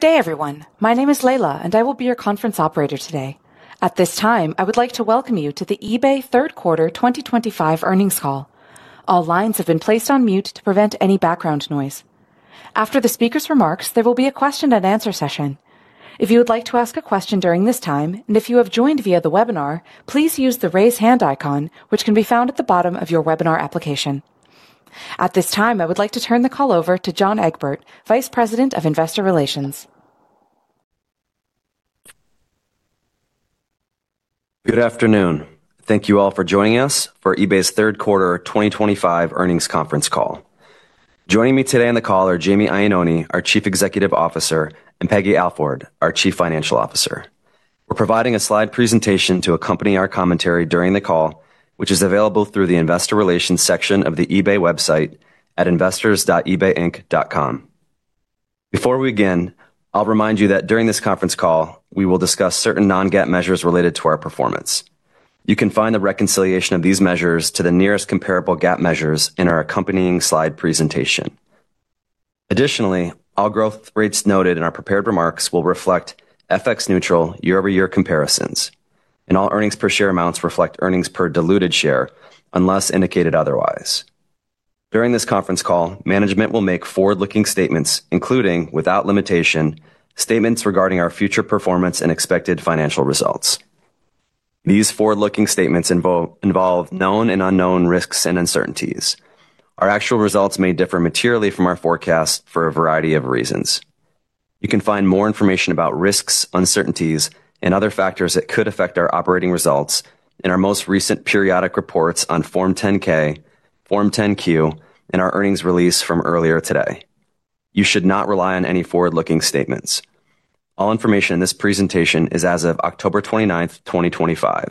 Good day, everyone. My name is Leila, and I will be your conference operator today. At this time, I would like to welcome you to the eBay third quarter 2025 earnings call. All lines have been placed on mute to prevent any background noise. After the speaker's remarks, there will be a question and answer session. If you would like to ask a question during this time, and if you have joined via the webinar, please use the raise hand icon, which can be found at the bottom of your webinar application. At this time, I would like to turn the call over to John Egbert, Vice President of Investor Relations. Good afternoon. Thank you all for joining us for eBay's third quarter 2025 earnings conference call. Joining me today on the call are Jamie Iannone, our Chief Executive Officer, and Peggy Alford, our Chief Financial Officer. We're providing a slide presentation to accompany our commentary during the call, which is available through the investor relations section of the eBay website at investors.ebayinc.com. Before we begin, I'll remind you that during this conference call, we will discuss certain non-GAAP measures related to our performance. You can find the reconciliation of these measures to the nearest comparable GAAP measures in our accompanying slide presentation. Additionally, all growth rates noted in our prepared remarks will reflect FX-neutral year-over-year comparisons, and all earnings per share amounts reflect earnings per diluted share unless indicated otherwise. During this conference call, management will make forward-looking statements, including, without limitation, statements regarding our future performance and expected financial results. These forward-looking statements involve known and unknown risks and uncertainties. Our actual results may differ materially from our forecast for a variety of reasons. You can find more information about risks, uncertainties, and other factors that could affect our operating results in our most recent periodic reports on Form 10-K, Form 10-Q, and our earnings release from earlier today. You should not rely on any forward-looking statements. All information in this presentation is as of October 29th, 2025.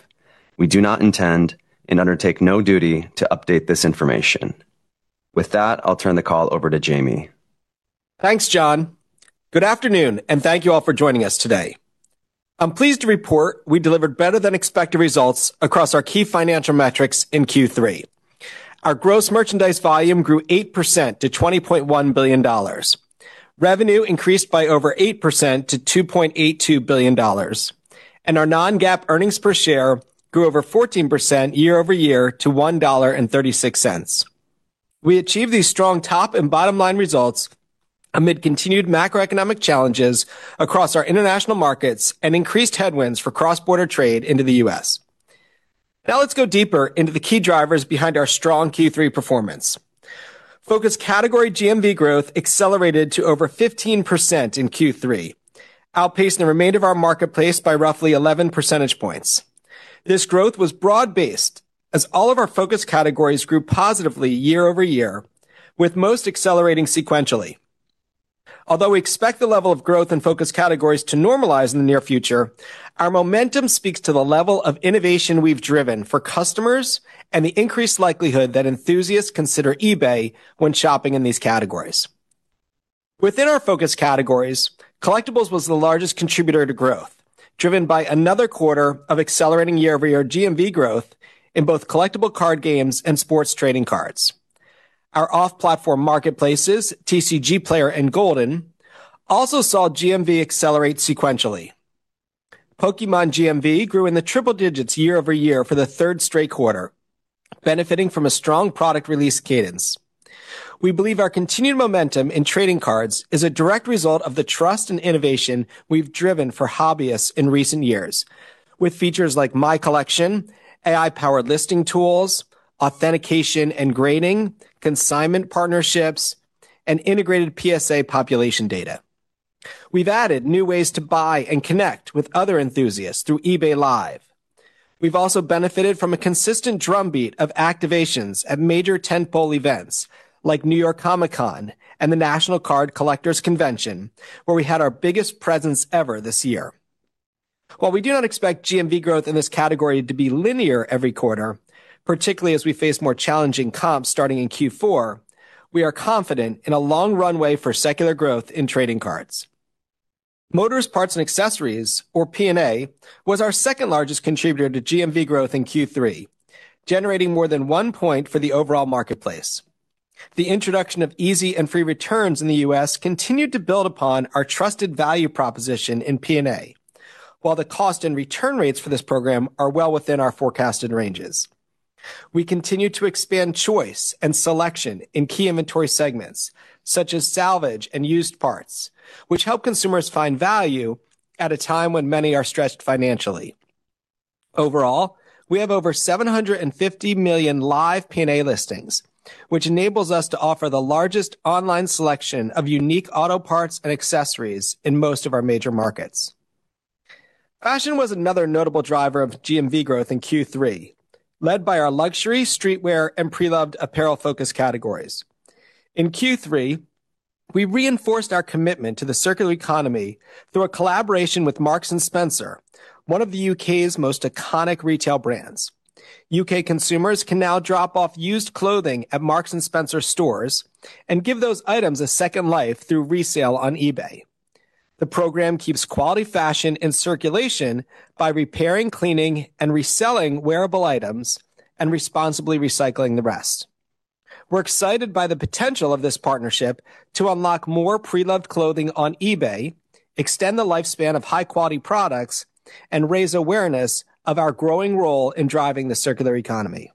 We do not intend and undertake no duty to update this information. With that, I'll turn the call over to Jamie. Thanks, John. Good afternoon, and thank you all for joining us today. I'm pleased to report we delivered better than expected results across our key financial metrics in Q3. Our gross merchandise volume grew 8% to $20.1 billion. Revenue increased by over 8% to $2.82 billion, and our non-GAAP earnings per share grew over 14% year-over-year to $1.36. We achieved these strong top and bottom line results amid continued macroeconomic challenges across our international markets and increased headwinds for cross-border trade into the U.S. Now let's go deeper into the key drivers behind our strong Q3 performance. Focus category GMV growth accelerated to over 15% in Q3, outpacing the remainder of our marketplace by roughly 11 percentage points. This growth was broad-based, as all of our focus categories grew positively year-over-year, with most accelerating sequentially. Although we expect the level of growth in focus categories to normalize in the near future, our momentum speaks to the level of innovation we've driven for customers and the increased likelihood that enthusiasts consider eBay when shopping in these categories. Within our focus categories, collectibles was the largest contributor to growth, driven by another quarter of accelerating year-over-year GMV growth in both collectible card games and sports trading cards. Our off-platform marketplaces, TCGplayer and Goldin, also saw GMV accelerate sequentially. Pokémon GMV grew in the triple digits year-over-year for the third straight quarter, benefiting from a strong product release cadence. We believe our continued momentum in trading cards is a direct result of the trust and innovation we've driven for hobbyists in recent years, with features like My Collection, AI-powered listing tools, authentication and grading, consignment partnerships, and integrated PSA population data. We've added new ways to buy and connect with other enthusiasts through eBay Live. We've also benefited from a consistent drumbeat of activations at major tentpole events like New York Comic-Con and the National Sports Collectors Convention, where we had our biggest presence ever this year. While we do not expect GMV growth in this category to be linear every quarter, particularly as we face more challenging comps starting in Q4, we are confident in a long runway for secular growth in trading cards. Motors parts and accessories, or P&A, was our second largest contributor to GMV growth in Q3, generating more than one point for the overall marketplace. The introduction of easy and free returns in the U.S. continued to build upon our trusted value proposition in P&A, while the cost and return rates for this program are well within our forecasted ranges. We continue to expand choice and selection in key inventory segments, such as salvage and used parts, which help consumers find value at a time when many are stretched financially. Overall, we have over 750 million live P&A listings, which enables us to offer the largest online selection of unique auto parts and accessories in most of our major markets. Fashion was another notable driver of GMV growth in Q3, led by our luxury, streetwear, and pre-loved apparel focus categories. In Q3, we reinforced our commitment to the circular economy through a collaboration with Marks & Spencer, one of the U.K.'s most iconic retail brands. U.K. consumers can now drop off used clothing at Marks & Spencer stores and give those items a second life through resale on eBay. The program keeps quality fashion in circulation by repairing, cleaning, and reselling wearable items and responsibly recycling the rest. We're excited by the potential of this partnership to unlock more pre-loved clothing on eBay, extend the lifespan of high-quality products, and raise awareness of our growing role in driving the circular economy.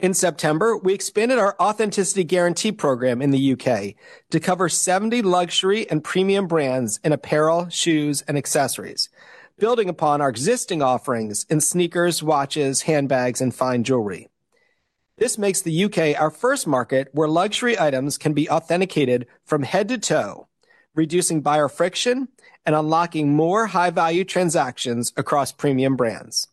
In September, we expanded our authenticity guarantee program in the U.K. to cover 70 luxury and premium brands in apparel, shoes, and accessories, building upon our existing offerings in sneakers, watches, handbags, and fine jewelry. This makes the U.K. our first market where luxury items can be authenticated from head to toe, reducing buyer friction and unlocking more high-value transactions across premium brands.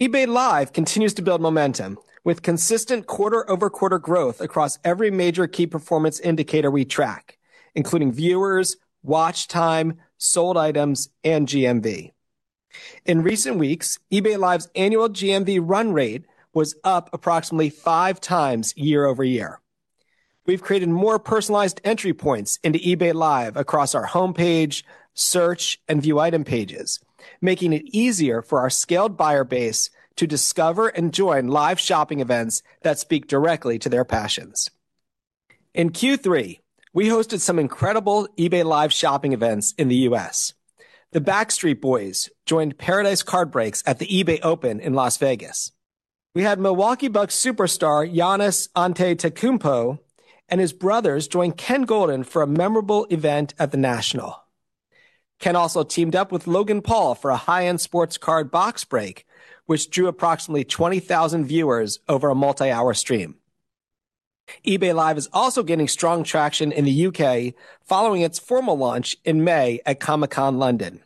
eBay Live continues to build momentum with consistent quarter-over-quarter growth across every major key performance indicator we track, including viewers, watch time, sold items, and GMV. In recent weeks, eBay Live's annual GMV run rate was up approximately 5x year-over-year. We've created more personalized entry points into eBay Live across our homepage, search, and view item pages, making it easier for our scaled buyer base to discover and join live shopping events that speak directly to their passions. In Q3, we hosted some incredible eBay Live shopping events in the U.S. The Backstreet Boys joined Paradise Card Breaks at the eBay Open in Las Vegas. We had Milwaukee Bucks superstar Giannis Antetokounmpo and his brothers join Ken Goldin for a memorable event at the National. Ken also teamed up with Logan Paul for a high-end sports card box break, which drew approximately 20,000 viewers over a multi-hour stream. eBay Live is also gaining strong traction in the U.K. following its formal launch in May at Comic-Con London.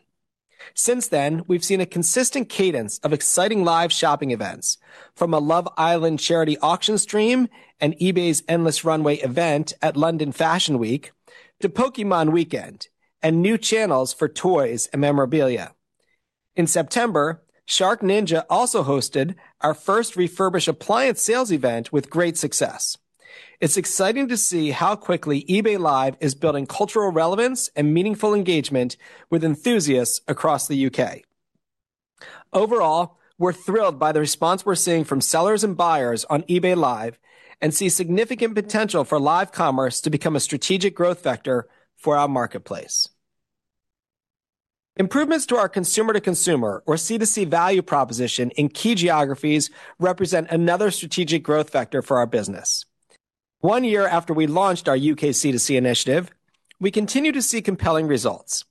Since then, we've seen a consistent cadence of exciting live shopping events, from a Love Island charity auction stream and eBay's endless runway event at London Fashion Week to Pokémon Weekend and new channels for toys and memorabilia. In September, SharkNinja also hosted our first refurbished appliance sales event with great success. It's exciting to see how quickly eBay Live is building cultural relevance and meaningful engagement with enthusiasts across the U.K. Overall, we're thrilled by the response we're seeing from sellers and buyers on eBay Live and see significant potential for live commerce to become a strategic growth vector for our marketplace. Improvements to our consumer-to-consumer or C2C value proposition in key geographies represent another strategic growth vector for our business. One year after we launched our U.K. C2C initiative, we continue to see compelling results.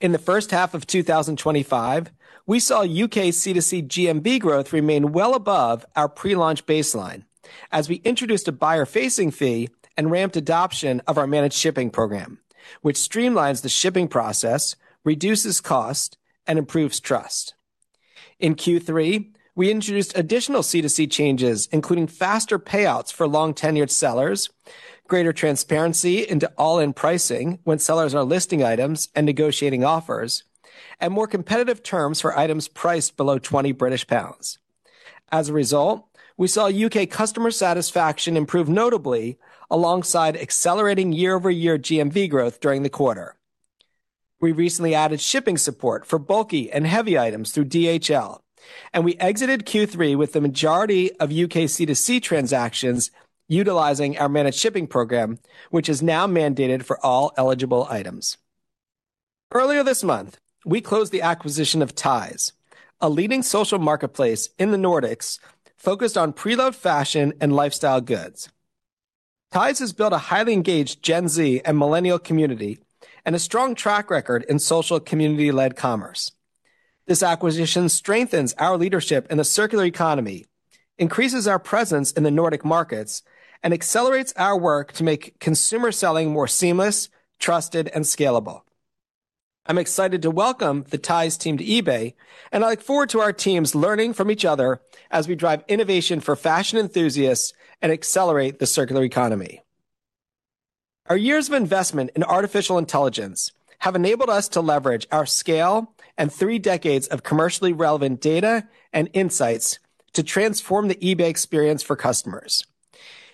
In the first half of 2025, we saw U.K. C2C GMV growth remain well above our pre-launch baseline as we introduced a buyer-facing fee and ramped adoption of our managed shipping program, which streamlines the shipping process, reduces cost, and improves trust. In Q3, we introduced additional C2C changes, including faster payouts for long-tenured sellers, greater transparency into all-in pricing when sellers are listing items and negotiating offers, and more competitive terms for items priced below 20 British pounds. As a result, we saw U.K. customer satisfaction improve notably alongside accelerating year-over-year GMV growth during the quarter. We recently added shipping support for bulky and heavy items through DHL, and we exited Q3 with the majority of U.K. C2C transactions utilizing our managed shipping program, which is now mandated for all eligible items. Earlier this month, we closed the acquisition of Tise, a leading social marketplace in the Nordics focused on pre-loved fashion and lifestyle goods. Tise has built a highly engaged Gen Z and Millennial community and a strong track record in social community-led commerce. This acquisition strengthens our leadership in the circular economy, increases our presence in the Nordics, and accelerates our work to make consumer selling more seamless, trusted, and scalable. I'm excited to welcome the Tise team to eBay, and I look forward to our teams learning from each other as we drive innovation for fashion enthusiasts and accelerate the circular economy. Our years of investment in artificial intelligence have enabled us to leverage our scale and three decades of commercially relevant data and insights to transform the eBay experience for customers.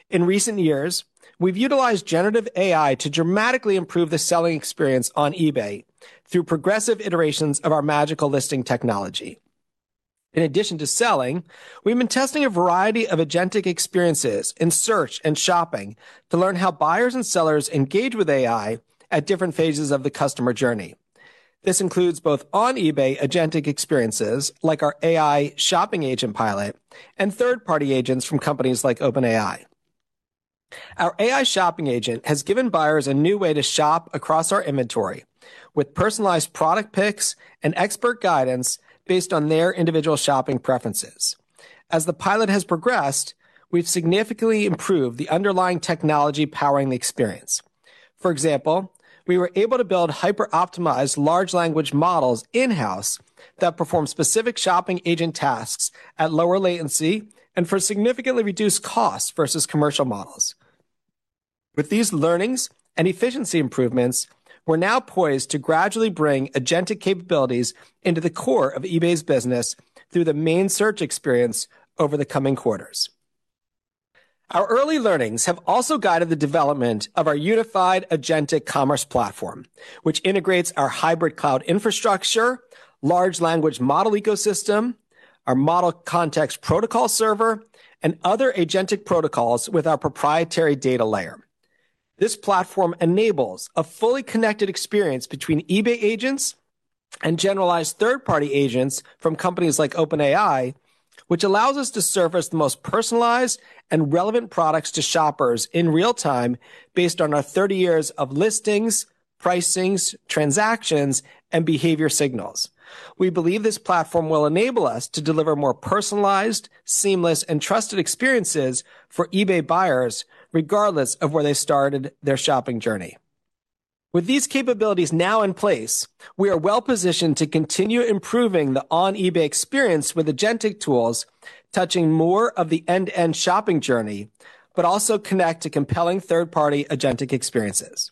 In recent years, we've utilized generative AI to dramatically improve the selling experience on eBay through progressive iterations of our Magical Listing technology. In addition to selling, we've been testing a variety of agentic experiences in search and shopping to learn how buyers and sellers engage with AI at different phases of the customer journey. This includes both on eBay agentic experiences like our AI shopping agent pilot and third-party agents from companies like OpenAI. Our AI shopping agent has given buyers a new way to shop across our inventory with personalized product picks and expert guidance based on their individual shopping preferences. As the pilot has progressed, we've significantly improved the underlying technology powering the experience. For example, we were able to build hyper-optimized large language models in-house that perform specific shopping agent tasks at lower latency and for significantly reduced costs versus commercial models. With these learnings and efficiency improvements, we're now poised to gradually bring agentic capabilities into the core of eBay's business through the main search experience over the coming quarters. Our early learnings have also guided the development of our unified agentic commerce platform, which integrates our hybrid cloud infrastructure, large language model ecosystem, our Model Context Protocol server, and other agentic protocols with our proprietary data layer. This platform enables a fully connected experience between eBay agents and generalized third-party agents from companies like OpenAI, which allows us to service the most personalized and relevant products to shoppers in real time based on our 30 years of listings, pricings, transactions, and behavior signals. We believe this platform will enable us to deliver more personalized, seamless, and trusted experiences for eBay buyers regardless of where they started their shopping journey. With these capabilities now in place, we are well positioned to continue improving the on eBay experience with agentic tools touching more of the end-to-end shopping journey, but also connect to compelling third-party agentic experiences.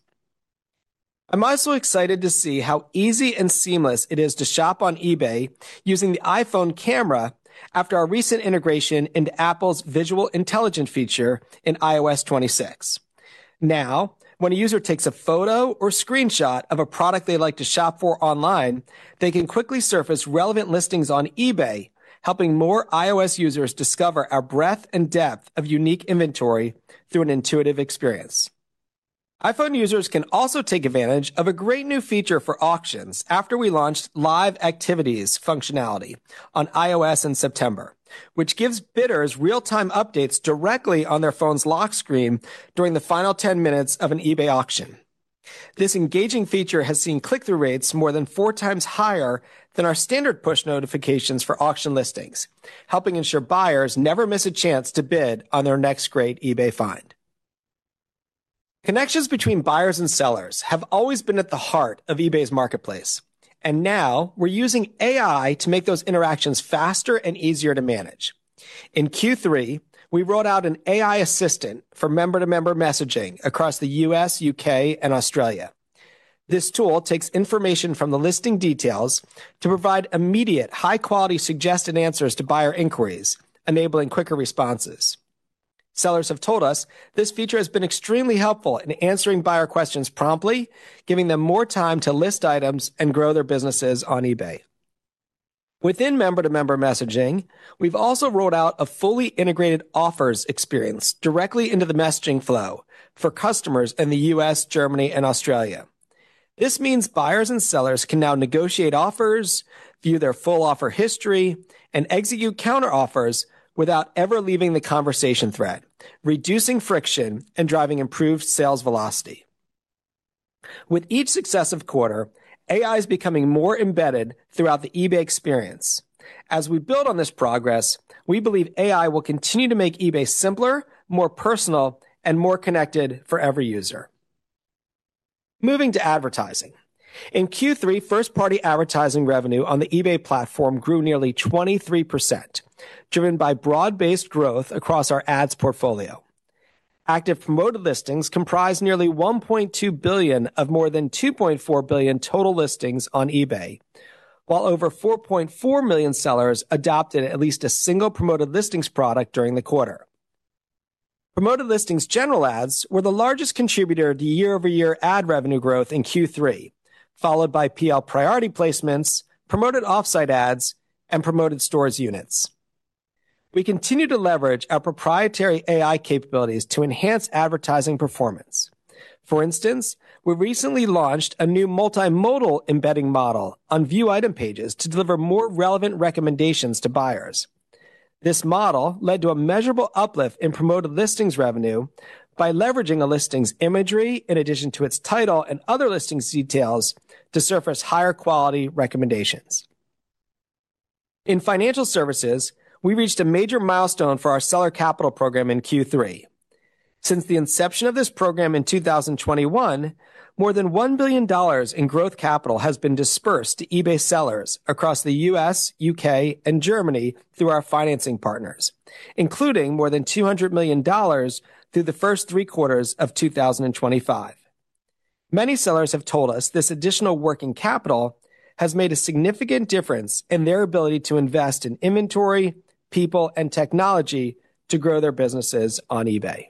I'm also excited to see how easy and seamless it is to shop on eBay using the iPhone camera after our recent integration into Apple visual intelligence feature in iOS 26. Now, when a user takes a photo or screenshot of a product they'd like to shop for online, they can quickly surface relevant listings on eBay, helping more iOS users discover our breadth and depth of unique inventory through an intuitive experience. iPhone users can also take advantage of a great new feature for auctions after we launched Live Activities functionality on iOS in September, which gives bidders real-time updates directly on their phone's lock screen during the final 10 minutes of an eBay auction. This engaging feature has seen click-through rates more than 4x higher than our standard push notifications for auction listings, helping ensure buyers never miss a chance to bid on their next great eBay find. Connections between buyers and sellers have always been at the heart of eBay's marketplace, and now we're using AI to make those interactions faster and easier to manage. In Q3, we rolled out an AI assistant for member-to-member messaging across the U.S., U.K., and Australia. This tool takes information from the listing details to provide immediate, high-quality suggested answers to buyer inquiries, enabling quicker responses. Sellers have told us this feature has been extremely helpful in answering buyer questions promptly, giving them more time to list items and grow their businesses on eBay. Within member-to-member messaging, we've also rolled out a fully integrated offers experience directly into the messaging flow for customers in the U.S., Germany, and Australia. This means buyers and sellers can now negotiate offers, view their full offer history, and execute counter-offers without ever leaving the conversation thread, reducing friction and driving improved sales velocity. With each successive quarter, AI is becoming more embedded throughout the eBay experience. As we build on this progress, we believe AI will continue to make eBay simpler, more personal, and more connected for every user. Moving to advertising. In Q3, first-party advertising revenue on the eBay platform grew nearly 23%, driven by broad-based growth across our ads portfolio. Active promoted listings comprise nearly 1.2 billion of more than 2.4 billion total listings on eBay, while over 4.4 million sellers adopted at least a single promoted listings product during the quarter. Promoted listings general ads were the largest contributor to year-over-year ad revenue growth in Q3, followed by PL priority placements, promoted offsite ads, and promoted stores units. We continue to leverage our proprietary AI capabilities to enhance advertising performance. For instance, we recently launched a new multimodal embedding model on view item pages to deliver more relevant recommendations to buyers. This model led to a measurable uplift in promoted listings revenue by leveraging a listing's imagery in addition to its title and other listings details to surface higher quality recommendations. In financial services, we reached a major milestone for our seller capital program in Q3. Since the inception of this program in 2021, more than $1 billion in growth capital has been dispersed to eBay sellers across the U.S., U.K., and Germany through our financing partners, including more than $200 million through the first three quarters of 2025. Many sellers have told us this additional working capital has made a significant difference in their ability to invest in inventory, people, and technology to grow their businesses on eBay.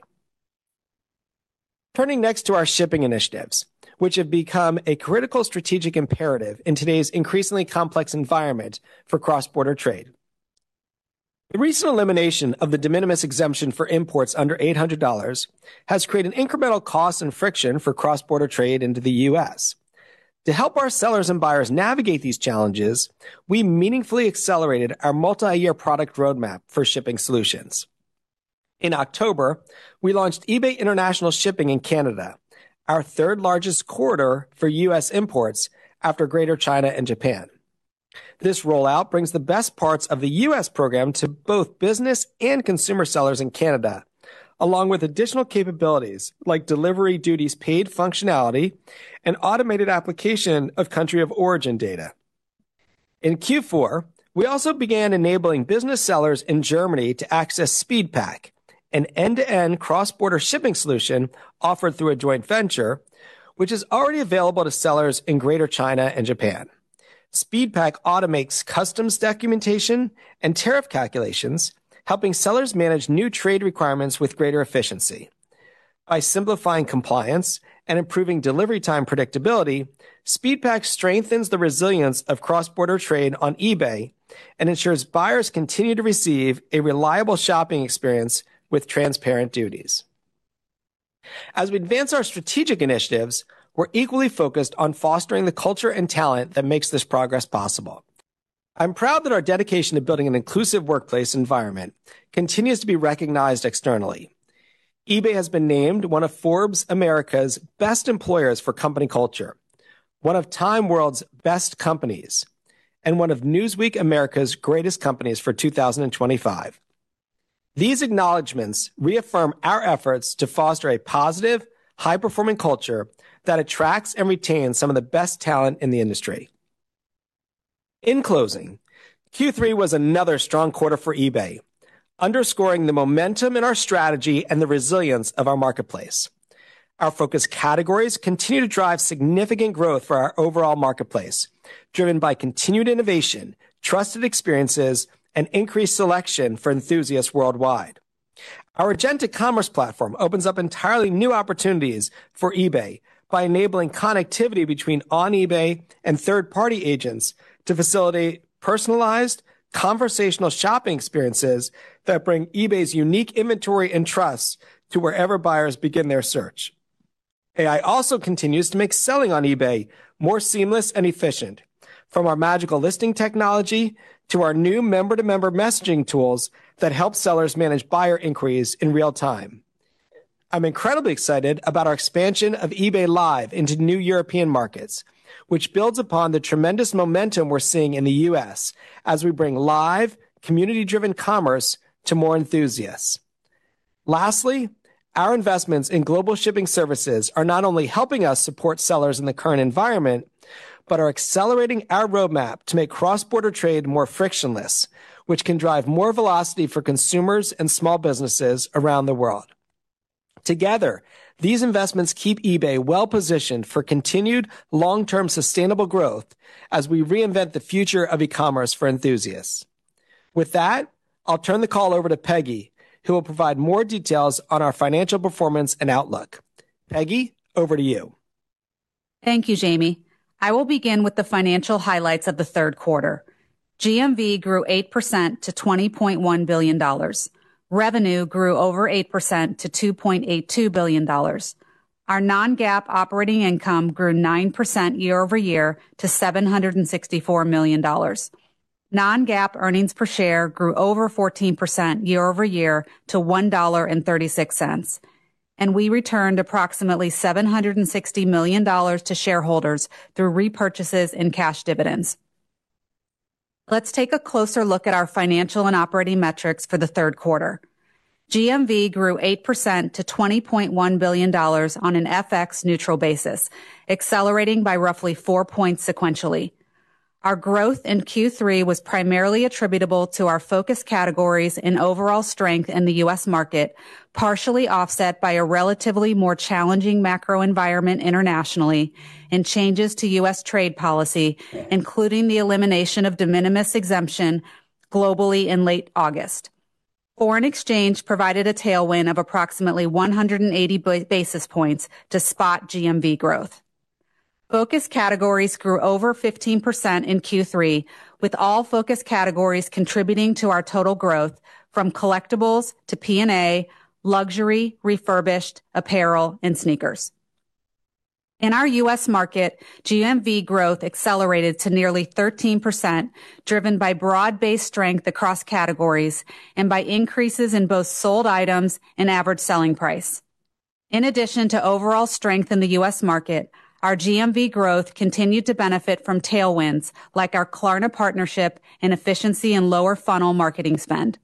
Turning next to our shipping initiatives, which have become a critical strategic imperative in today's increasingly complex environment for cross-border trade. The recent elimination of the de minimis exemption for imports under $800 has created incremental costs and friction for cross-border trade into the U.S. To help our sellers and buyers navigate these challenges, we meaningfully accelerated our multi-year product roadmap for shipping solutions. In October, we launched eBay International Shipping in Canada, our third largest quarter for U.S. imports after Greater China and Japan. This rollout brings the best parts of the U.S. program to both business and consumer sellers in Canada, along with additional capabilities like delivery duties paid functionality and automated application of country of origin data. In Q4, we also began enabling business sellers in Germany to access SpeedPAK, an end-to-end cross-border shipping solution offered through a joint venture, which is already available to sellers in Greater China and Japan. SpeedPAK automates customs documentation and tariff calculations, helping sellers manage new trade requirements with greater efficiency. By simplifying compliance and improving delivery time predictability, SpeedPAK strengthens the resilience of cross-border trade on eBay and ensures buyers continue to receive a reliable shopping experience with transparent duties. As we advance our strategic initiatives, we're equally focused on fostering the culture and talent that makes this progress possible. I'm proud that our dedication to building an inclusive workplace environment continues to be recognized externally. eBay has been named one of Forbes America's Best Employers for Company Culture, one of Time World's Best Companies, and one of Newsweek America's Greatest Companies for 2025. These acknowledgments reaffirm our efforts to foster a positive, high-performing culture that attracts and retains some of the best talent in the industry. In closing, Q3 was another strong quarter for eBay, underscoring the momentum in our strategy and the resilience of our marketplace. Our focus categories continue to drive significant growth for our overall marketplace, driven by continued innovation, trusted experiences, and increased selection for enthusiasts worldwide. Our agentic commerce platform opens up entirely new opportunities for eBay by enabling connectivity between on eBay and third-party agents to facilitate personalized, conversational shopping experiences that bring eBay's unique inventory and trust to wherever buyers begin their search. AI also continues to make selling on eBay more seamless and efficient, from our magical listing technology to our new member-to-member messaging tools that help sellers manage buyer inquiries in real time. I'm incredibly excited about our expansion of eBay Live into new European markets, which builds upon the tremendous momentum we're seeing in the U.S. as we bring live, community-driven commerce to more enthusiasts. Lastly, our investments in global shipping services are not only helping us support sellers in the current environment but are accelerating our roadmap to make cross-border trade more frictionless, which can drive more velocity for consumers and small businesses around the world. Together, these investments keep eBay well positioned for continued long-term sustainable growth as we reinvent the future of e-commerce for enthusiasts. With that, I'll turn the call over to Peggy, who will provide more details on our financial performance and outlook. Peggy, over to you. Thank you, Jamie. I will begin with the financial highlights of the third quarter. GMV grew 8% to $20.1 billion. Revenue grew over 8% to $2.82 billion. Our non-GAAP operating income grew 9% year-over-year to $764 million. Non-GAAP earnings per share grew over 14% year-over-year to $1.36, and we returned approximately $760 million to shareholders through repurchases and cash dividends. Let's take a closer look at our financial and operating metrics for the third quarter. GMV grew 8% to $20.1 billion on an FX-neutral basis, accelerating by roughly four points sequentially. Our growth in Q3 was primarily attributable to our focus categories and overall strength in the U.S. market, partially offset by a relatively more challenging macro environment internationally and changes to U.S. trade policy, including the elimination of de minimis exemption globally in late August. Foreign exchange provided a tailwind of approximately 180 basis points to spot GMV growth. Focus categories grew over 15% in Q3, with all focus categories contributing to our total growth from collectibles to P&A, luxury, refurbished, apparel, and sneakers. In our U.S. market, GMV growth accelerated to nearly 13%, driven by broad-based strength across categories and by increases in both sold items and average selling price. In addition to overall strength in the U.S. market, our GMV growth continued to benefit from tailwinds like our Klarna partnership and efficiency in lower funnel marketing spend.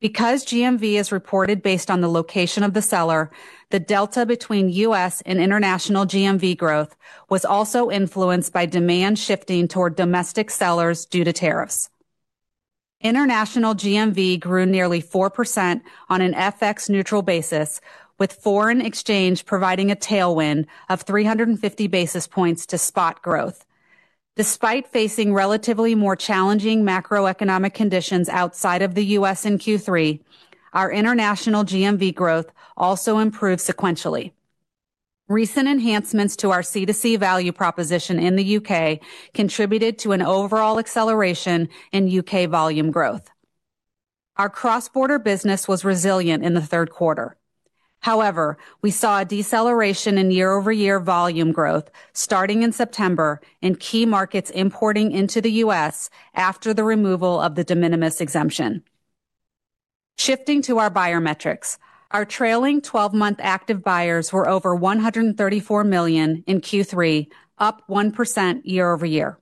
Because GMV is reported based on the location of the seller, the delta between U.S. and international GMV growth was also influenced by demand shifting toward domestic sellers due to tariffs. International GMV grew nearly 4% on an FX-neutral basis, with foreign exchange providing a tailwind of 350 basis points to spot growth. Despite facing relatively more challenging macroeconomic conditions outside of the U.S. in Q3, our international GMV growth also improved sequentially. Recent enhancements to our C2C value proposition in the U.K. contributed to an overall acceleration in U.K. volume growth. Our cross-border business was resilient in the third quarter. However, we saw a deceleration in year-over-year volume growth starting in September in key markets importing into the U.S. after the removal of the de minimis exemption. Shifting to our buyer metrics, our trailing 12-month active buyers were over 134 million in Q3, up 1% year-over-year.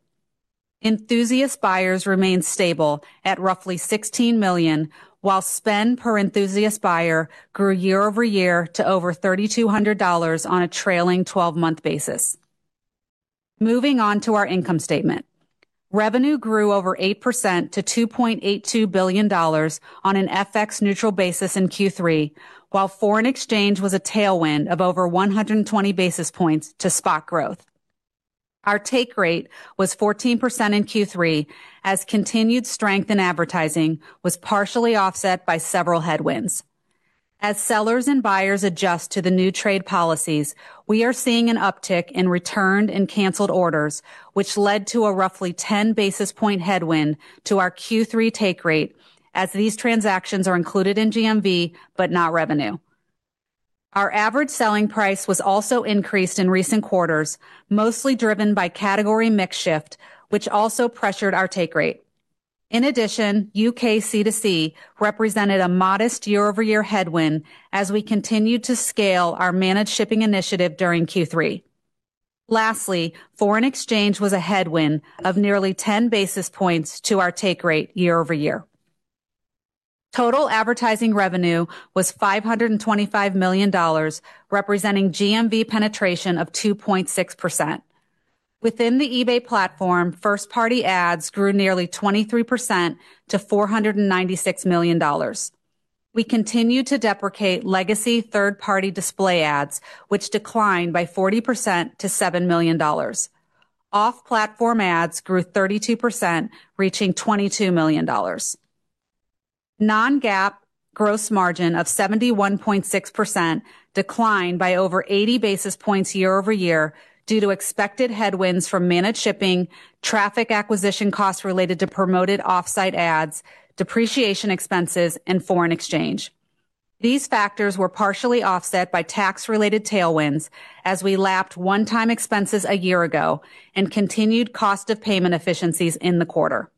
Enthusiast buyers remained stable at roughly 16 million, while spend per enthusiast buyer grew year-over-year to over $3,200 on a trailing 12-month basis. Moving on to our income statement, revenue grew over 8% to $2.82 billion on an FX-neutral basis in Q3, while foreign exchange was a tailwind of over 120 basis points to spot growth. Our take rate was 14% in Q3, as continued strength in advertising was partially offset by several headwinds. As sellers and buyers adjust to the new trade policies, we are seeing an uptick in returned and canceled orders, which led to a roughly 10 basis point headwind to our Q3 take rate, as these transactions are included in GMV but not revenue. Our average selling price was also increased in recent quarters, mostly driven by category mix shift, which also pressured our take rate. In addition, U.K. C2C represented a modest year-over-year headwind as we continued to scale our managed shipping initiative during Q3. Lastly, foreign exchange was a headwind of nearly 10 basis points to our take rate year-over-year. Total advertising revenue was $525 million, representing GMV penetration of 2.6%. Within the eBay platform, first-party ads grew nearly 23% to $496 million. We continued to deprecate legacy third-party display ads, which declined by 40% to $7 million. Off-platform ads grew 32%, reaching $22 million. Non-GAAP gross margin of 71.6% declined by over 80 basis points year-over-year due to expected headwinds from managed shipping, traffic acquisition costs related to promoted offsite ads, depreciation expenses, and foreign exchange. These factors were partially offset by tax-related tailwinds as we lapped one-time expenses a year ago and continued cost-of-payment efficiencies in the quarter.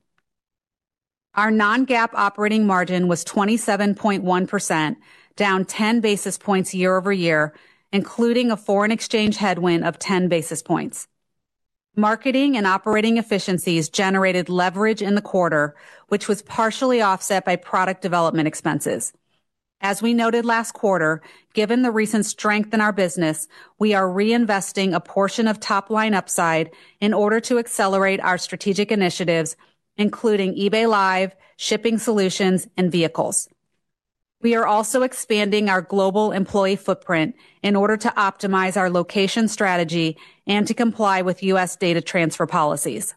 Our non-GAAP operating margin was 27.1%, down 10 basis points year-over-year, including a foreign exchange headwind of 10 basis points. Marketing and operating efficiencies generated leverage in the quarter, which was partially offset by product development expenses. As we noted last quarter, given the recent strength in our business, we are reinvesting a portion of top-line upside in order to accelerate our strategic initiatives, including eBay Live, shipping solutions, and vehicles. We are also expanding our global employee footprint in order to optimize our location strategy and to comply with U.S. data transfer policies.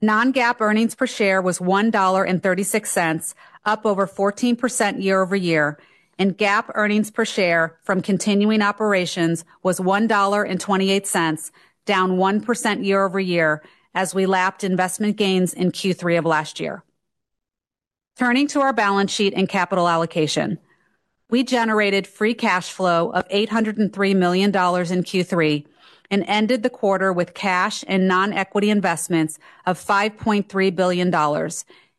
Non-GAAP earnings per share was $1.36, up over 14% year-over-year, and GAAP earnings per share from continuing operations was $1.28, down 1% year-over-year as we lapped investment gains in Q3 of last year. Turning to our balance sheet and capital allocation, we generated free cash flow of $803 million in Q3 and ended the quarter with cash and non-equity investments of $5.3 billion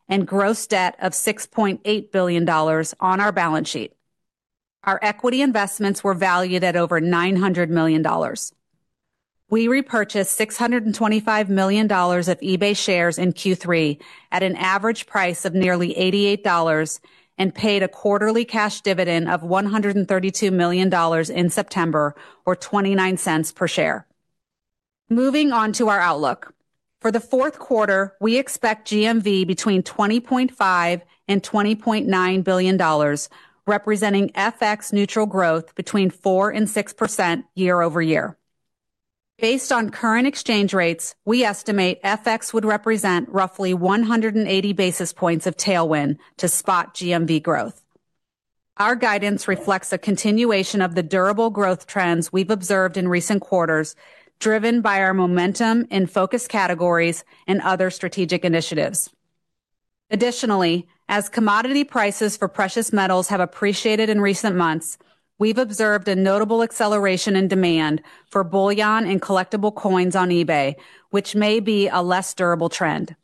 and gross debt of $6.8 billion on our balance sheet. Our equity investments were valued at over $900 million. We repurchased $625 million of eBay shares in Q3 at an average price of nearly $88 and paid a quarterly cash dividend of $132 million in September, or $0.29 per share. Moving on to our outlook. For the fourth quarter, we expect GMV between $20.5 billion and $20.9 billion, representing FX-neutral growth between 4% and 6% year-over-year. Based on current exchange rates, we estimate FX would represent roughly 180 basis points of tailwind to spot GMV growth. Our guidance reflects a continuation of the durable growth trends we've observed in recent quarters, driven by our momentum in focus categories and other strategic initiatives. Additionally, as commodity prices for precious metals have appreciated in recent months, we've observed a notable acceleration in demand for bullion and collectible coins on eBay, which may be a less durable trend.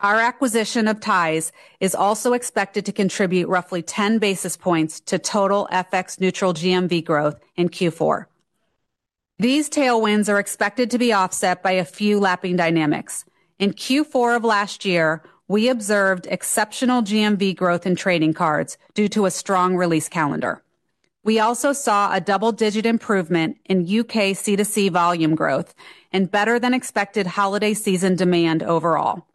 Our acquisition of Tise is also expected to contribute roughly 10 basis points to total FX-neutral GMV growth in Q4. These tailwinds are expected to be offset by a few lapping dynamics. In Q4 of last year, we observed exceptional GMV growth in trading cards due to a strong release calendar. We also saw a double-digit improvement in U.K. C2C volume growth and better-than-expected holiday season demand overall.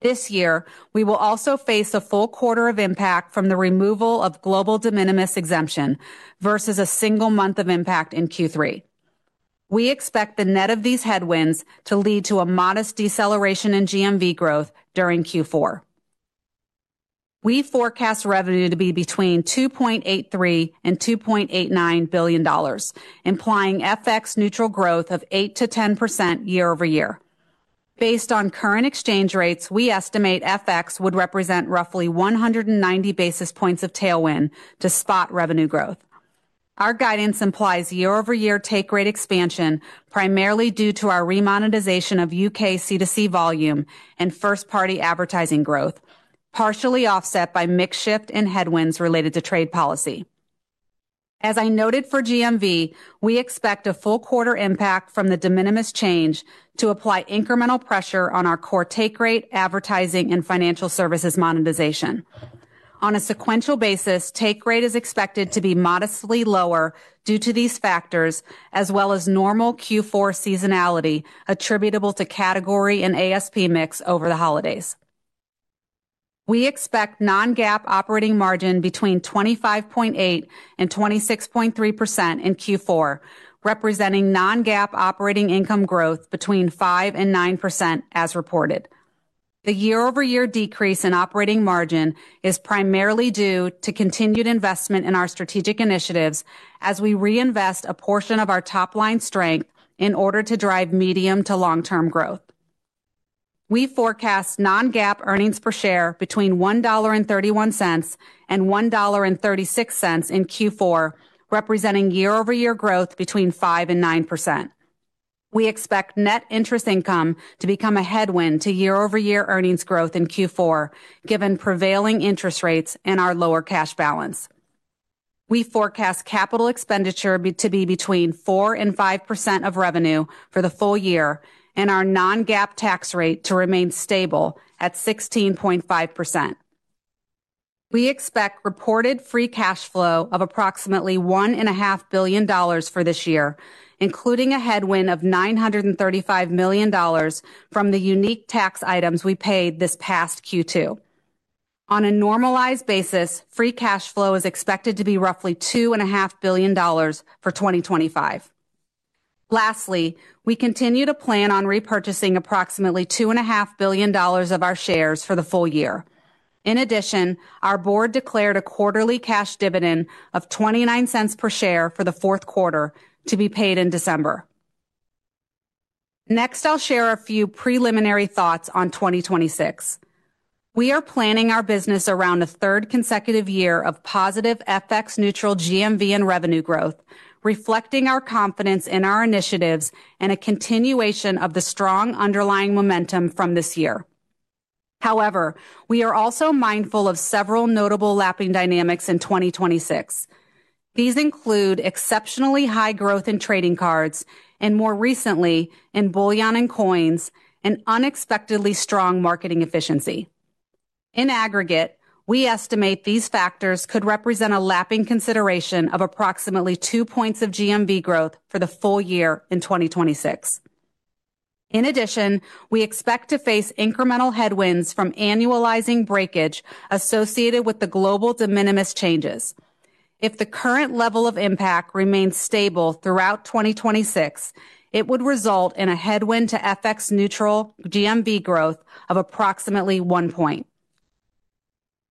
This year, we will also face a full quarter of impact from the removal of global de minimis exemption versus a single month of impact in Q3. We expect the net of these headwinds to lead to a modest deceleration in GMV growth during Q4. We forecast revenue to be between $2.83 billion and $2.89 billion, implying FX-neutral growth of 8%-10% year-over-year. Based on current exchange rates, we estimate FX would represent roughly 190 basis points of tailwind to spot revenue growth. Our guidance implies year-over-year take rate expansion, primarily due to our remonetization of U.K. C2C volume and first-party advertising growth, partially offset by mix shift and headwinds related to trade policy. As I noted for GMV, we expect a full quarter impact from the de minimis change to apply incremental pressure on our core take rate, advertising, and financial services monetization. On a sequential basis, take rate is expected to be modestly lower due to these factors, as well as normal Q4 seasonality attributable to category and ASP mix over the holidays. We expect non-GAAP operating margin between 25.8% and 26.3% in Q4, representing non-GAAP operating income growth between 5% and 9% as reported. The year-over-year decrease in operating margin is primarily due to continued investment in our strategic initiatives as we reinvest a portion of our top-line strength in order to drive medium to long-term growth. We forecast non-GAAP earnings per share between $1.31 and $1.36 in Q4, representing year-over-year growth between 5% and 9%. We expect net interest income to become a headwind to year-over-year earnings growth in Q4, given prevailing interest rates and our lower cash balance. We forecast capital expenditure to be between 4% and 5% of revenue for the full year and our non-GAAP tax rate to remain stable at 16.5%. We expect reported free cash flow of approximately $1.5 billion for this year, including a headwind of $935 million from the unique tax items we paid this past Q2. On a normalized basis, free cash flow is expected to be roughly $2.5 billion for 2025. Lastly, we continue to plan on repurchasing approximately $2.5 billion of our shares for the full year. In addition, our board declared a quarterly cash dividend of $0.29 per share for the fourth quarter to be paid in December. Next, I'll share a few preliminary thoughts on 2026. We are planning our business around a third consecutive year of positive FX-neutral GMV and revenue growth, reflecting our confidence in our initiatives and a continuation of the strong underlying momentum from this year. However, we are also mindful of several notable lapping dynamics in 2026. These include exceptionally high growth in trading cards and, more recently, in bullion and coins, and unexpectedly strong marketing efficiency. In aggregate, we estimate these factors could represent a lapping consideration of approximately two points of GMV growth for the full year in 2026. In addition, we expect to face incremental headwinds from annualizing breakage associated with the global de minimis changes. If the current level of impact remains stable throughout 2026, it would result in a headwind to FX-neutral GMV growth of approximately 1 point.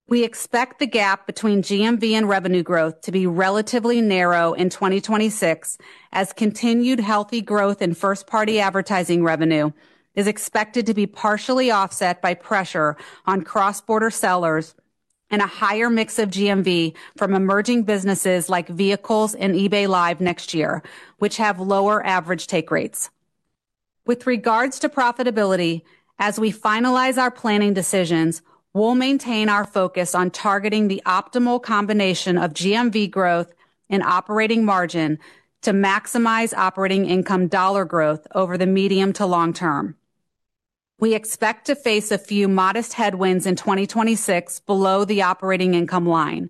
We expect the gap between GMV and revenue growth to be relatively narrow in 2026, as continued healthy growth in first-party advertising revenue is expected to be partially offset by pressure on cross-border sellers and a higher mix of GMV from emerging businesses like vehicles and eBay Live next year, which have lower average take rates. With regards to profitability, as we finalize our planning decisions, we'll maintain our focus on targeting the optimal combination of GMV growth and operating margin to maximize operating income dollar growth over the medium to long term. We expect to face a few modest headwinds in 2026 below the operating income line.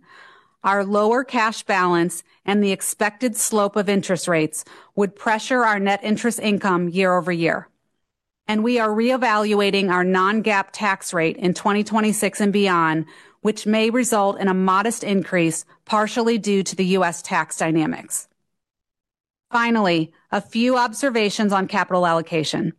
Our lower cash balance and the expected slope of interest rates would pressure our net interest income year-over-year. We are reevaluating our non-GAAP tax rate in 2026 and beyond, which may result in a modest increase partially due to the U.S. tax dynamics. Finally, a few observations on capital allocation.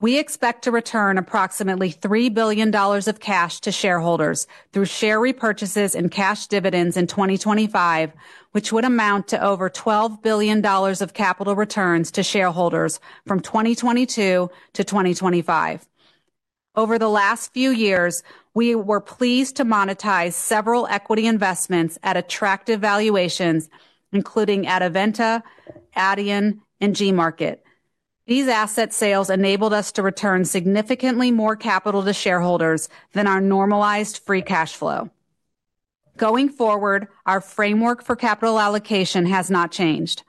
We expect to return approximately $3 billion of cash to shareholders through share repurchases and cash dividends in 2025, which would amount to over $12 billion of capital returns to shareholders from 2022 to 2025. Over the last few years, we were pleased to monetize several equity investments at attractive valuations, including Adevinta, Adyen, and Gmarket. These asset sales enabled us to return significantly more capital to shareholders than our normalized free cash flow. Going forward, our framework for capital allocation has not changed.